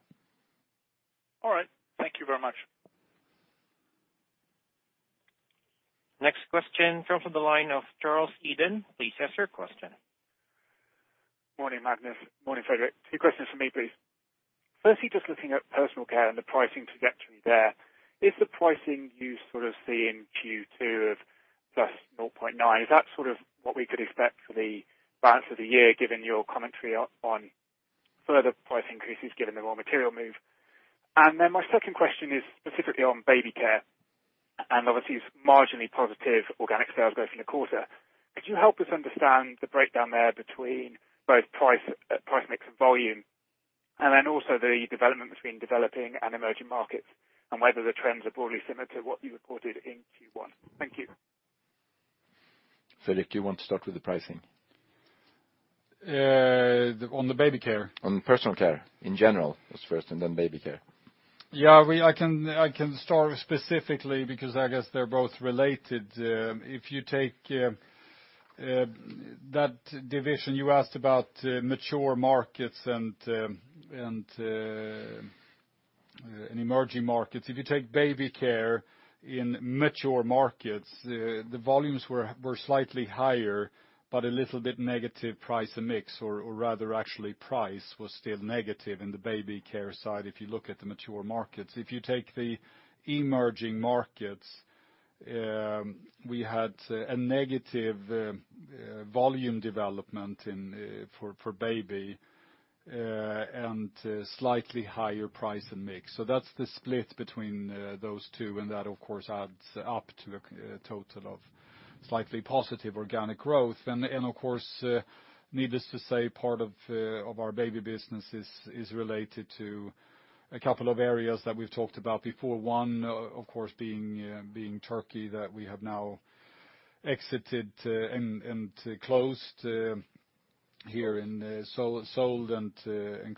All right. Thank you very much. Next question comes from the line of Charles Eden. Please ask your question. Morning, Magnus. Morning, Fredrik. Two questions for me, please. Firstly, just looking at Personal Care and the pricing trajectory there, is the pricing you sort of see in Q2 of +0.9%, is that sort of what we could expect for the balance of the year given your commentary on further price increases given the raw material move? My second question is specifically on baby care. Obviously marginally positive organic sales growth in the quarter. Could you help us understand the breakdown there between both price mix and volume? Also the development between developing and emerging markets, and whether the trends are broadly similar to what you reported in Q1. Thank you. Fredrik, you want to start with the pricing? On the baby care? On Personal Care in general, as first, and then baby care. Yeah. I can start specifically because I guess they're both related. If you take that division you asked about, mature markets and emerging markets. If you take baby care in mature markets, the volumes were slightly higher, but a little bit negative price and mix, or rather actually price was still negative in the baby care side if you look at the mature markets. If you take the emerging markets, we had a negative volume development for baby and slightly higher price and mix. That's the split between those two, and that of course adds up to a total of slightly positive organic growth. Of course, needless to say, part of our baby business is related to a couple of areas that we've talked about before. One, of course, being Turkey, that we have now exited and closed here, sold and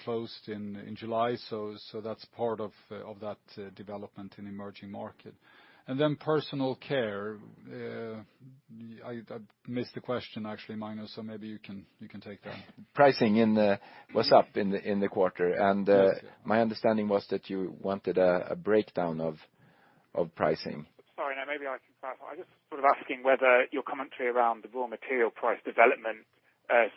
closed in July. That's part of that development in emerging market. Personal Care, I missed the question actually, Magnus, maybe you can take that. Pricing was up in the quarter. My understanding was that you wanted a breakdown of pricing. Sorry. Maybe I can clarify. I'm just sort of asking whether your commentary around the raw material price development,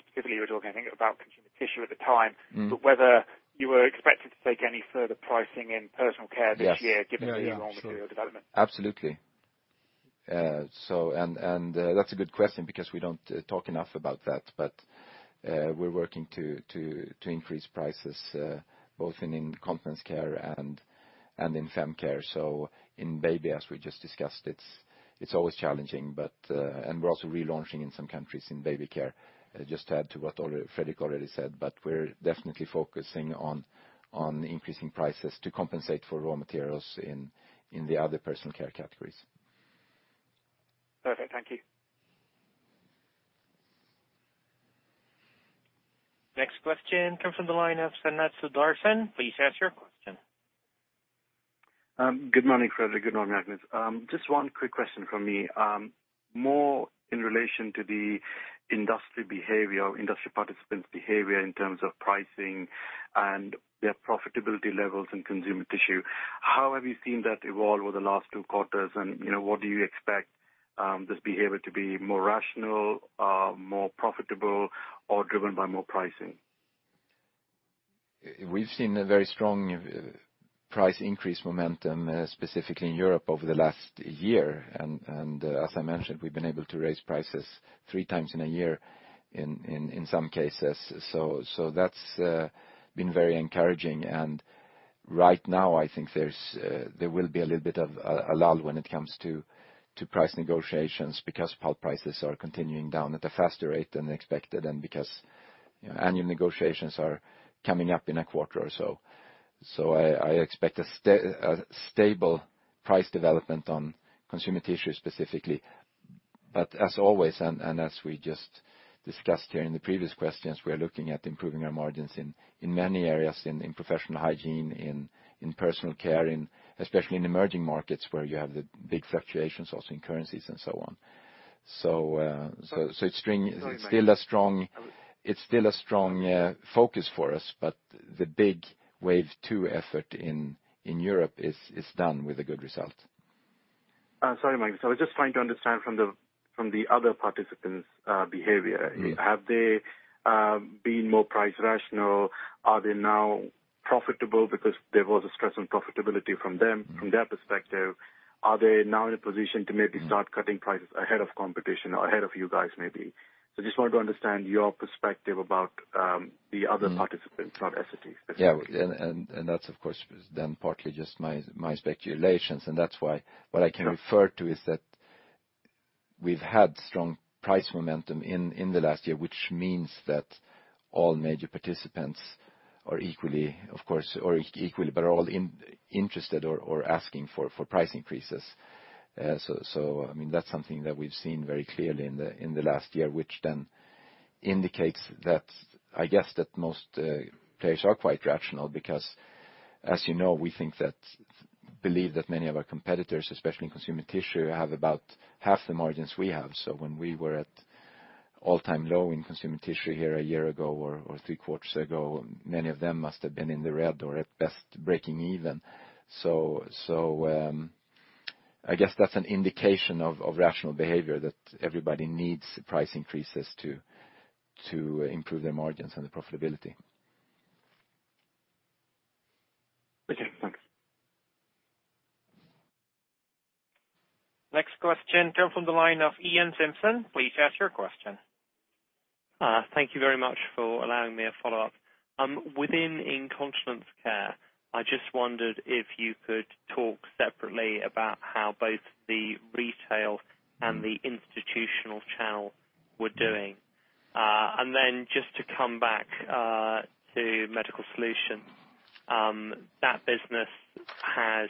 specifically you were talking, I think, about Consumer Tissue at the time- Whether you were expected to take any further pricing in Personal Care this year? Yes Given the raw material development. Absolutely. That's a good question because we don't talk enough about that. We're working to increase prices both in incontinence care and in FemCare. In baby, as we just discussed, it's always challenging. We're also relaunching in some countries in baby care, just to add to what Fredrik already said. We're definitely focusing on increasing prices to compensate for raw materials in the other Personal Care categories. Perfect. Thank you. Next question comes from the line of Sanath Sudarsan. Please ask your question. Good morning, Fredrik. Good morning, Magnus. Just one quick question from me. More in relation to the industry participants' behavior in terms of pricing and their profitability levels in Consumer Tissue. How have you seen that evolve over the last two quarters? What do you expect this behavior to be more rational, more profitable, or driven by more pricing? We've seen a very strong price increase momentum, specifically in Europe, over the last year. As I mentioned, we've been able to raise prices three times in a year in some cases. That's been very encouraging, and right now I think there will be a little bit of a lull when it comes to price negotiations because pulp prices are continuing down at a faster rate than expected and because annual negotiations are coming up in a quarter or so. I expect a stable price development on Consumer Tissue specifically. As always, and as we just discussed here in the previous questions, we are looking at improving our margins in many areas, in Professional Hygiene, in Personal Care, especially in emerging markets where you have the big fluctuations also in currencies and so on. It's still a strong focus for us, but the big Wave Two effort in Europe is done with a good result. Sorry, Magnus. I was just trying to understand from the other participants' behavior. Yeah. Have they been more price rational? Are they now profitable because there was a stress on profitability from them, from their perspective? Are they now in a position to maybe start cutting prices ahead of competition or ahead of you guys maybe? Just wanted to understand your perspective about the other participants, not Essity specifically. Yeah. That's of course then partly just my speculations. That's why what I can refer to is that we've had strong price momentum in the last year, which means that all major participants are equally, but are all interested or asking for price increases. That's something that we've seen very clearly in the last year, which then indicates, I guess, that most players are quite rational because, as you know, we believe that many of our competitors, especially in Consumer Tissue, have about half the margins we have. When we were at all-time low in Consumer Tissue here a year ago or three quarters ago, many of them must have been in the red or, at best, breaking even. I guess that's an indication of rational behavior, that everybody needs price increases to improve their margins and their profitability. Okay, thanks. Next question comes from the line of Iain Simpson. Please ask your question. Thank you very much for allowing me a follow-up. Within incontinence care, I just wondered if you could talk separately about how both the retail and the institutional channel were doing. Then just to come back to medical solutions. That business has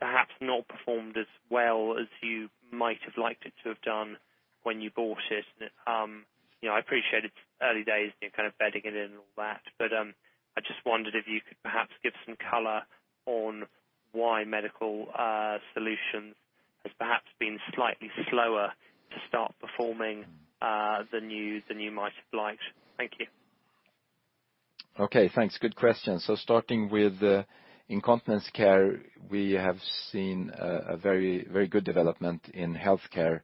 perhaps not performed as well as you might have liked it to have done when you bought it. I appreciate it's early days, you're bedding it in and all that, but I just wondered if you could perhaps give some color on why medical solutions has perhaps been slightly slower to start performing than you might have liked. Thank you. Okay, thanks. Good question. Starting with the incontinence care, we have seen a very good development in healthcare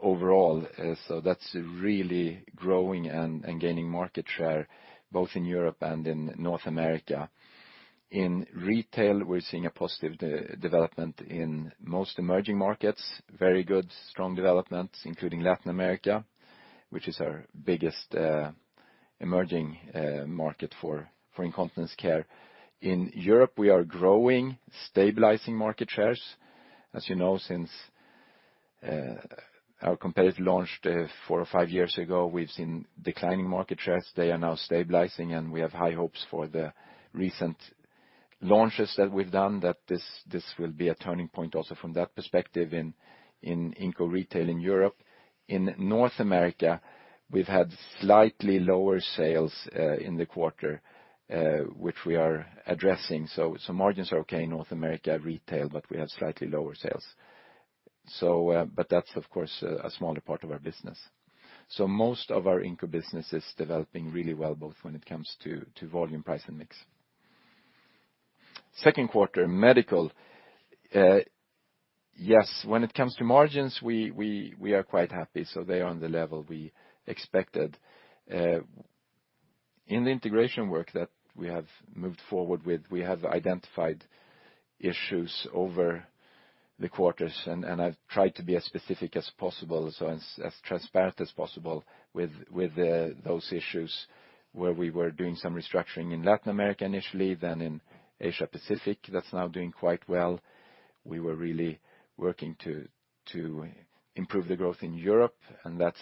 overall. That's really growing and gaining market share both in Europe and in North America. In retail, we're seeing a positive development in most emerging markets. Very good strong developments, including Latin America, which is our biggest emerging market for incontinence care. In Europe, we are growing, stabilizing market shares. As you know, since our competitors launched four or five years ago, we've seen declining market shares. They are now stabilizing, and we have high hopes for the recent launches that we've done, that this will be a turning point also from that perspective in Inco retail in Europe. In North America, we've had slightly lower sales in the quarter, which we are addressing. Margins are okay in North America retail, but we have slightly lower sales. That's, of course, a smaller part of our business. Most of our Inco business is developing really well, both when it comes to volume, price, and mix. Second quarter, medical. Yes, when it comes to margins, we are quite happy. They are on the level we expected. In the integration work that we have moved forward with, we have identified issues over the quarters, I've tried to be as specific as possible, as transparent as possible with those issues, where we were doing some restructuring in Latin America initially, then in Asia Pacific. That's now doing quite well. We were really working to improve the growth in Europe, and that's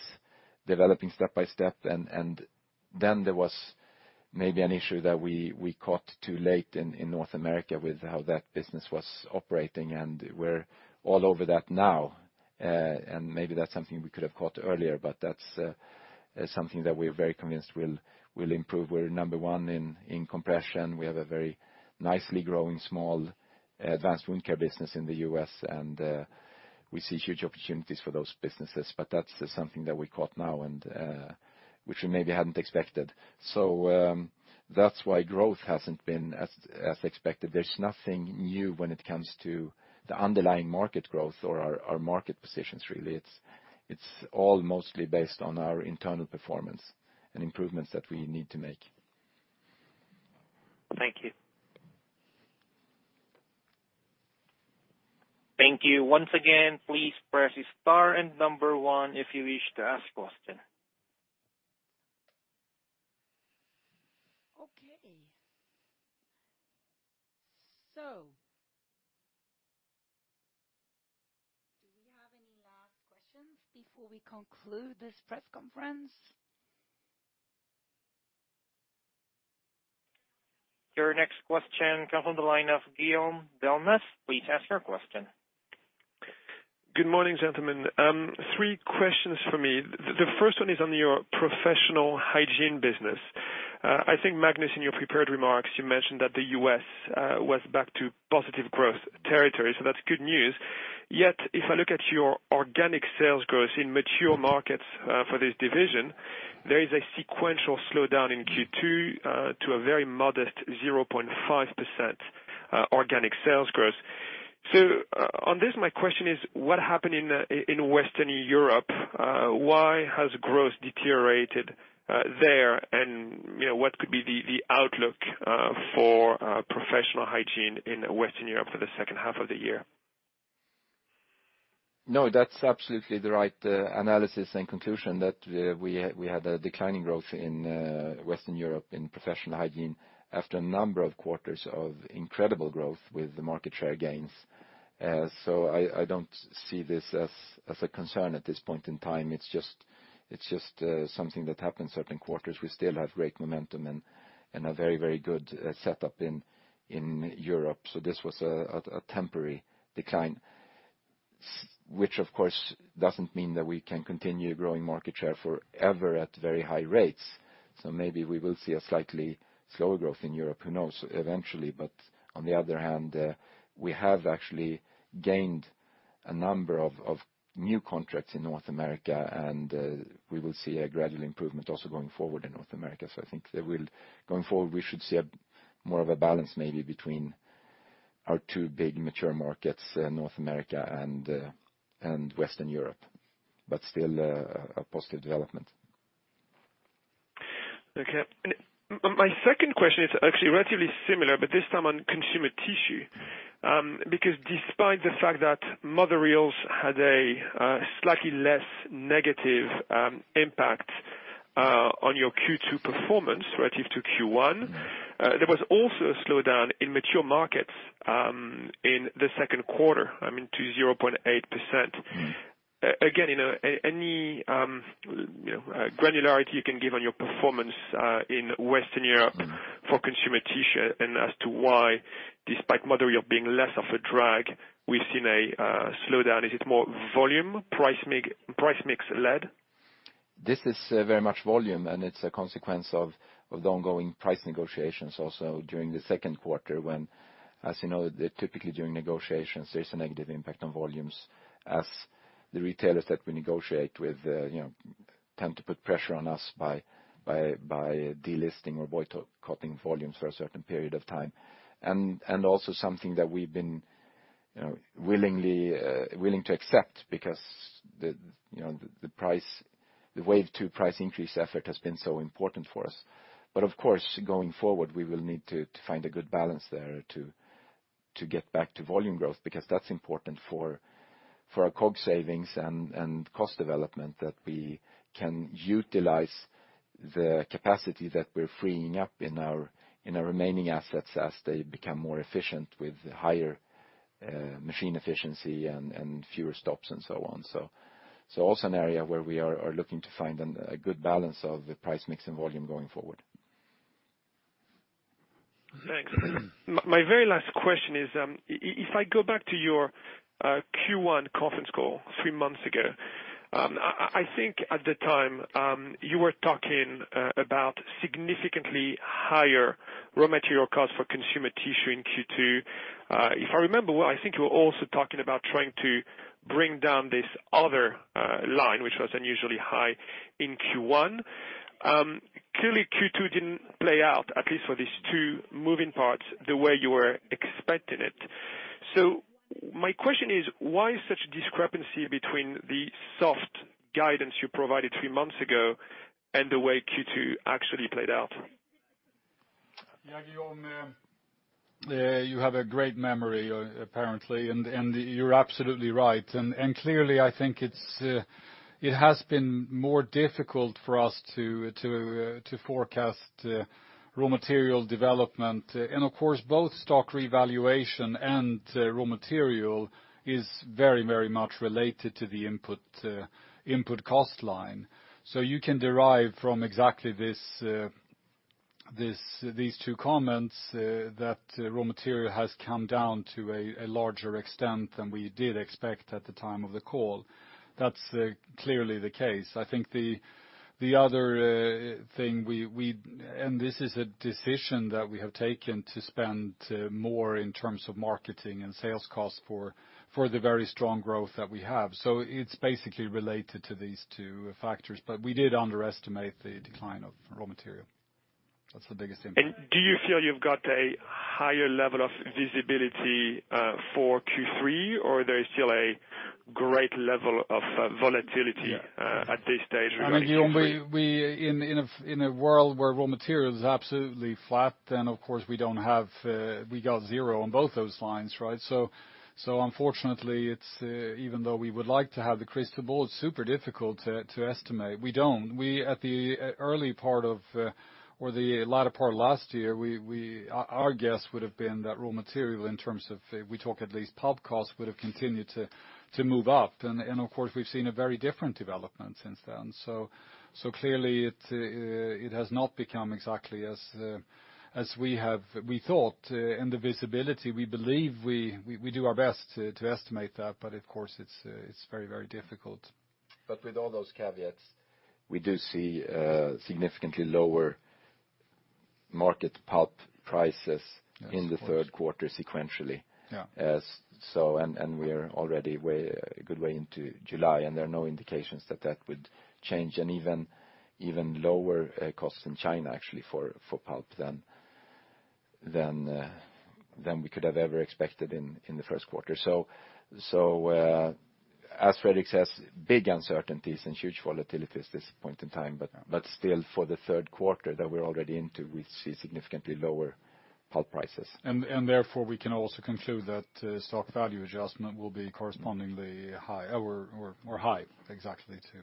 developing step by step. Then there was maybe an issue that we caught too late in North America with how that business was operating, we're all over that now. Maybe that's something we could have caught earlier, but that's something that we're very convinced will improve. We're number one in compression. We have a very nicely growing small advanced wound care business in the U.S., and we see huge opportunities for those businesses. That's something that we caught now and which we maybe hadn't expected. That's why growth hasn't been as expected. There's nothing new when it comes to the underlying market growth or our market positions, really. It's all mostly based on our internal performance and improvements that we need to make. Thank you. Thank you. Once again, please press star and number one if you wish to ask a question. Okay. Do we have any last questions before we conclude this press conference? Your next question comes on the line of Guillaume Delmas. Please ask your question. Good morning, gentlemen. Three questions from me. The first one is on your Professional Hygiene business. I think, Magnus, in your prepared remarks, you mentioned that the U.S. was back to positive growth territory, that's good news. Yet, if I look at your organic sales growth in mature markets for this division, there is a sequential slowdown in Q2 to a very modest 0.5% organic sales growth. On this, my question is, what happened in Western Europe? Why has growth deteriorated there? What could be the outlook for Professional Hygiene in Western Europe for the second half of the year? No, that's absolutely the right analysis and conclusion that we had a declining growth in Western Europe in Professional Hygiene after a number of quarters of incredible growth with the market share gains. I don't see this as a concern at this point in time. It's just something that happens certain quarters. We still have great momentum and a very, very good setup in Europe. This was a temporary decline, which of course doesn't mean that we can continue growing market share forever at very high rates. Maybe we will see a slightly slower growth in Europe, who knows? Eventually. On the other hand, we have actually gained a number of new contracts in North America, we will see a gradual improvement also going forward in North America. I think going forward, we should see more of a balance maybe between our two big mature markets, North America and Western Europe, still a positive development. Okay. My second question is actually relatively similar, this time on Consumer Tissue. Despite the fact that mother reels had a slightly less negative impact on your Q2 performance relative to Q1, there was also a slowdown in mature markets in the second quarter, to 0.8%. Any granularity you can give on your performance in Western Europe for Consumer Tissue, and as to why, despite mother being less of a drag, we've seen a slowdown. Is it more volume? Price mix led? This is very much volume, and it's a consequence of the ongoing price negotiations also during the second quarter when, as you know, typically during negotiations, there's a negative impact on volumes as the retailers that we negotiate with tend to put pressure on us by delisting or boycotting volumes for a certain period of time. Also something that we've been willing to accept because the Wave Two price increase effort has been so important for us. Of course, going forward, we will need to find a good balance there to get back to volume growth, because that's important for our COG savings and cost development, that we can utilize the capacity that we're freeing up in our remaining assets as they become more efficient with higher machine efficiency and fewer stops and so on. Also an area where we are looking to find a good balance of the price mix and volume going forward. Thanks. My very last question is, if I go back to your Q1 conference call three months ago, I think at the time, you were talking about significantly higher raw material costs for Consumer Tissue in Q2. If I remember, I think you were also talking about trying to bring down this other line, which was unusually high in Q1. Clearly Q2 didn't play out, at least for these two moving parts, the way you were expecting it. My question is, why such discrepancy between the soft guidance you provided three months ago and the way Q2 actually played out? Guillaume, you have a great memory, apparently. You're absolutely right. Clearly, I think it has been more difficult for us to forecast raw material development. Of course, both stock revaluation and raw material is very much related to the input cost line. You can derive from exactly these two comments that raw material has come down to a larger extent than we did expect at the time of the call. That's clearly the case. I think the other thing, this is a decision that we have taken to spend more in terms of marketing and sales costs for the very strong growth that we have. It's basically related to these two factors. We did underestimate the decline of raw material. That's the biggest impact. Do you feel you've got a higher level of visibility for Q3, or there is still a great level of volatility at this stage regarding- In a world where raw material is absolutely flat, of course we got zero on both those lines, right? Unfortunately, even though we would like to have the crystal ball, it's super difficult to estimate. We don't. At the early part of or the latter part of last year, our guess would have been that raw material in terms of, we talk at least pulp cost, would have continued to move up. Of course, we've seen a very different development since then. Clearly it has not become exactly as we thought. The visibility, we believe we do our best to estimate that, but of course it's very difficult. With all those caveats, we do see significantly lower market pulp prices in the third quarter sequentially. Yeah. We are already a good way into July, and there are no indications that that would change. Even lower costs in China, actually, for pulp than we could have ever expected in the first quarter. As Fredrik says, big uncertainties and huge volatilities this point in time. Still for the third quarter that we're already into, we see significantly lower pulp prices. Therefore we can also conclude that stock value adjustment will be correspondingly high or high exactly to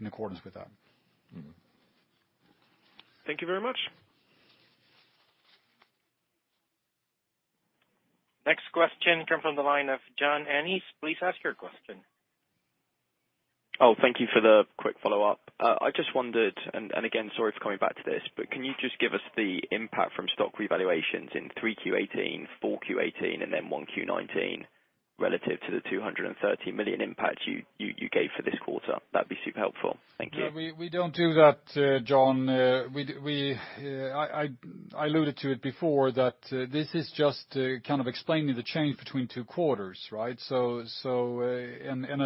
in accordance with that. Thank you very much. Next question come from the line of John Ennis. Please ask your question. Thank you for the quick follow-up. I just wondered, again, sorry for coming back to this, can you just give us the impact from stock revaluations in 3Q 2018, 4Q 2018, and then 1Q 2019 relative to the 230 million impact you gave for this quarter? That would be super helpful. Thank you. We do not do that, John. I alluded to it before, that this is just to explain to you the change between two quarters, right? As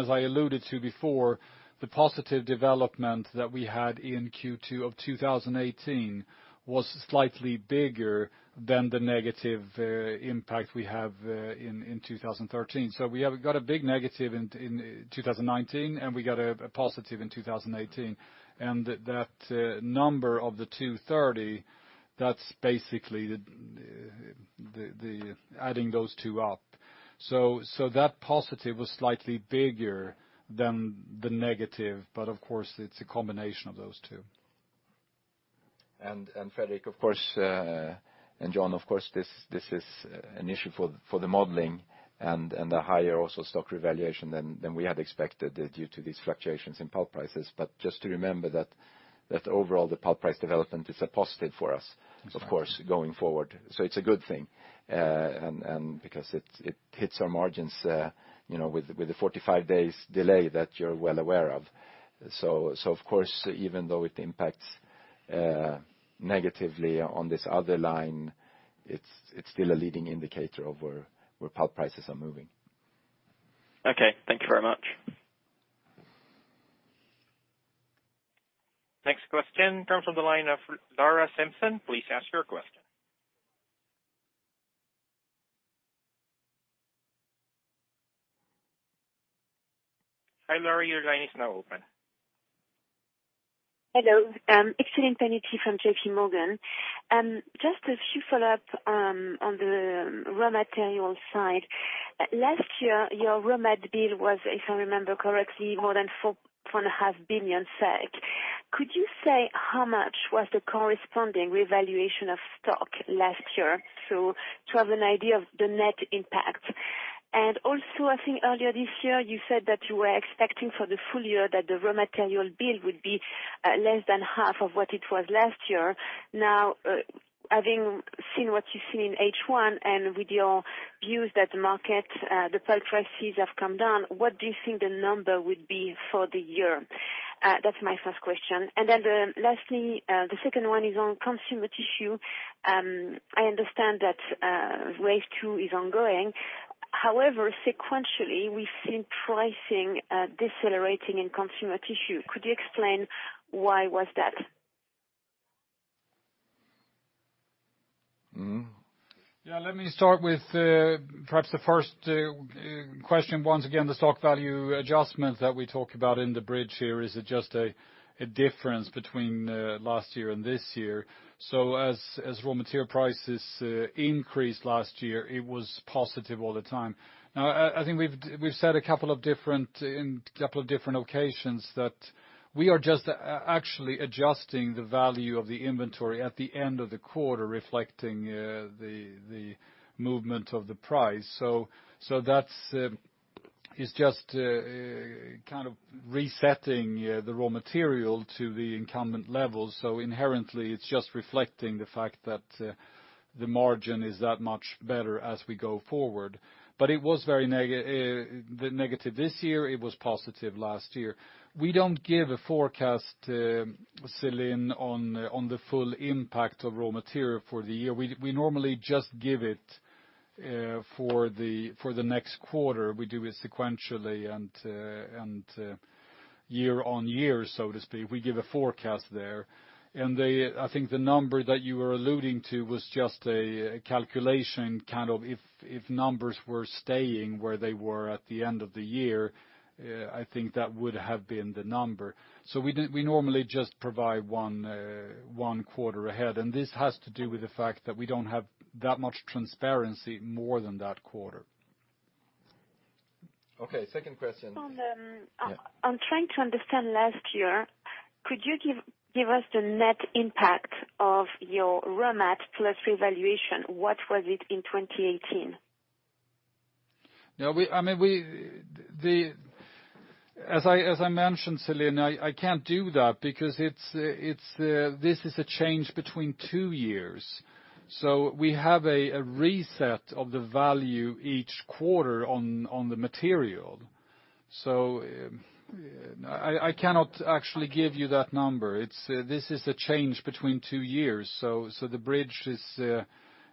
I alluded to before, the positive development that we had in Q2 of 2018 was slightly bigger than the negative impact we have in 2013. We have got a big negative in 2019, we got a positive in 2018. That number of the 230, that is basically adding those two up. That positive was slightly bigger than the negative, of course it is a combination of those two. John, of course, this is an issue for the modeling and the higher also stock revaluation than we had expected due to these fluctuations in pulp prices. Just to remember that overall the pulp price development is a positive for us. Exactly Of course, going forward. It is a good thing. It hits our margins with the 45-day delay that you are well aware of. Of course, even though it impacts negatively on this other line, it is still a leading indicator of where pulp prices are moving. Okay. Thank you very much. Next question comes from the line of Iain Simpson. Please ask your question. Hi, Laura, your line is now open. Hello. It's Celine Pannuti from JP Morgan. Just a few follow-up on the raw material side. Last year, your raw mat bill was, if I remember correctly, more than 4.5 billion SEK. Could you say how much was the corresponding revaluation of stock last year to have an idea of the net impact? Also, I think earlier this year, you said that you were expecting for the full year that the raw material bill would be less than half of what it was last year. Now, having seen what you've seen in H1 and with your views that the pulp prices have come down, what do you think the number would be for the year? That's my first question. Then lastly, the second one is on Consumer Tissue. I understand that Wave Two is ongoing. However, sequentially, we've seen pricing decelerating in Consumer Tissue. Could you explain why was that? Yeah, let me start with perhaps the first question. Once again, the stock value adjustments that we talk about in the bridge here is just a difference between last year and this year. As raw material prices increased last year, it was positive all the time. Now, I think we've said in couple of different occasions that we are just actually adjusting the value of the inventory at the end of the quarter, reflecting the movement of the price. That is just kind of resetting the raw material to the incumbent levels. Inherently, it's just reflecting the fact that the margin is that much better as we go forward. It was very negative this year, it was positive last year. We don't give a forecast, Celine, on the full impact of raw material for the year. We normally just give it for the next quarter. We do it sequentially and year on year, so to speak. We give a forecast there. I think the number that you were alluding to was just a calculation, if numbers were staying where they were at the end of the year, I think that would have been the number. We normally just provide one quarter ahead, and this has to do with the fact that we don't have that much transparency more than that quarter. Okay. Second question. On the- Yeah. I'm trying to understand last year. Could you give us the net impact of your raw mat plus revaluation? What was it in 2018? As I mentioned, Celine, I can't do that because this is a change between two years. We have a reset of the value each quarter on the material. I cannot actually give you that number. This is a change between two years. The bridge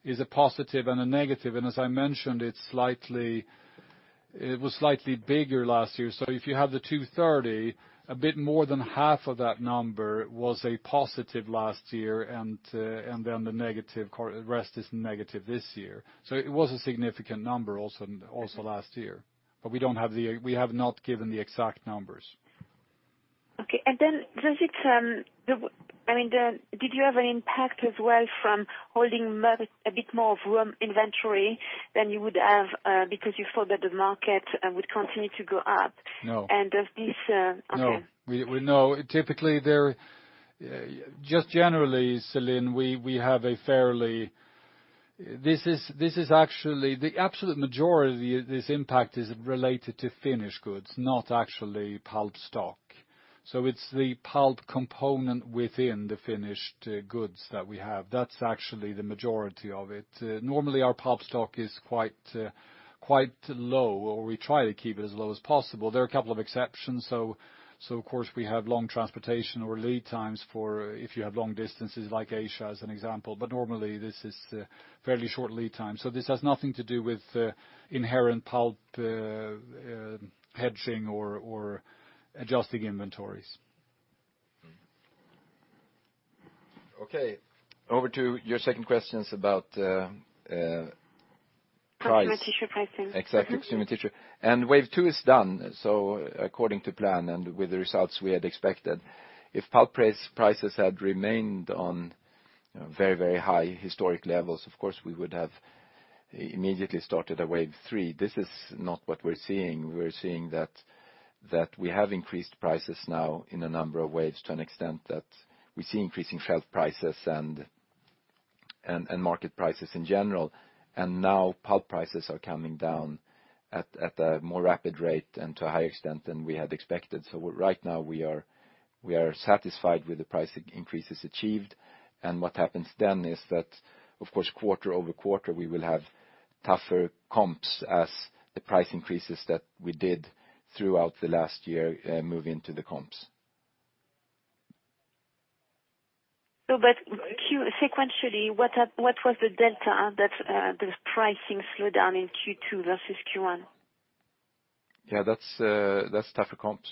is a positive and a negative. As I mentioned, it was slightly bigger last year. If you have the 230, a bit more than half of that number was a positive last year, then the rest is negative this year. It was a significant number also last year. We have not given the exact numbers. Okay. Did you have an impact as well from holding a bit more of raw inventory than you would have, because you thought that the market would continue to go up? No. Okay. No. Just generally, Celine, the absolute majority of this impact is related to finished goods, not actually pulp stock. It's the pulp component within the finished goods that we have. That's actually the majority of it. Normally, our pulp stock is quite low, or we try to keep it as low as possible. There are a couple of exceptions, of course we have long transportation or lead times, if you have long distances like Asia as an example, but normally this is fairly short lead time. This has nothing to do with inherent pulp hedging or adjusting inventories. Okay. Over to your second questions about price. Consumer Tissue pricing. Exactly. Consumer Tissue. Wave Two is done, according to plan and with the results we had expected. If pulp prices had remained on very, very high historic levels, of course, we would have immediately started a Wave Three. This is not what we're seeing. We're seeing that we have increased prices now in a number of ways to an extent that we see increasing shelf prices and market prices in general. Now pulp prices are coming down at a more rapid rate and to a higher extent than we had expected. Right now, we are satisfied with the price increases achieved. What happens then is that, of course, quarter-over-quarter, we will have tougher comps as the price increases that we did throughout the last year move into the comps. No, sequentially, what was the delta that the pricing slowed down in Q2 versus Q1? Yeah, that's tougher comps.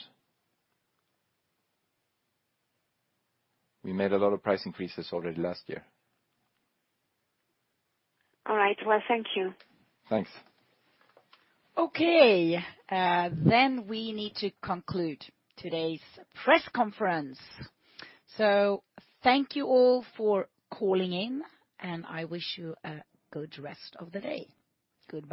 We made a lot of price increases already last year. All right. Well, thank you. Thanks. Okay. We need to conclude today's press conference. Thank you all for calling in, and I wish you a good rest of the day. Goodbye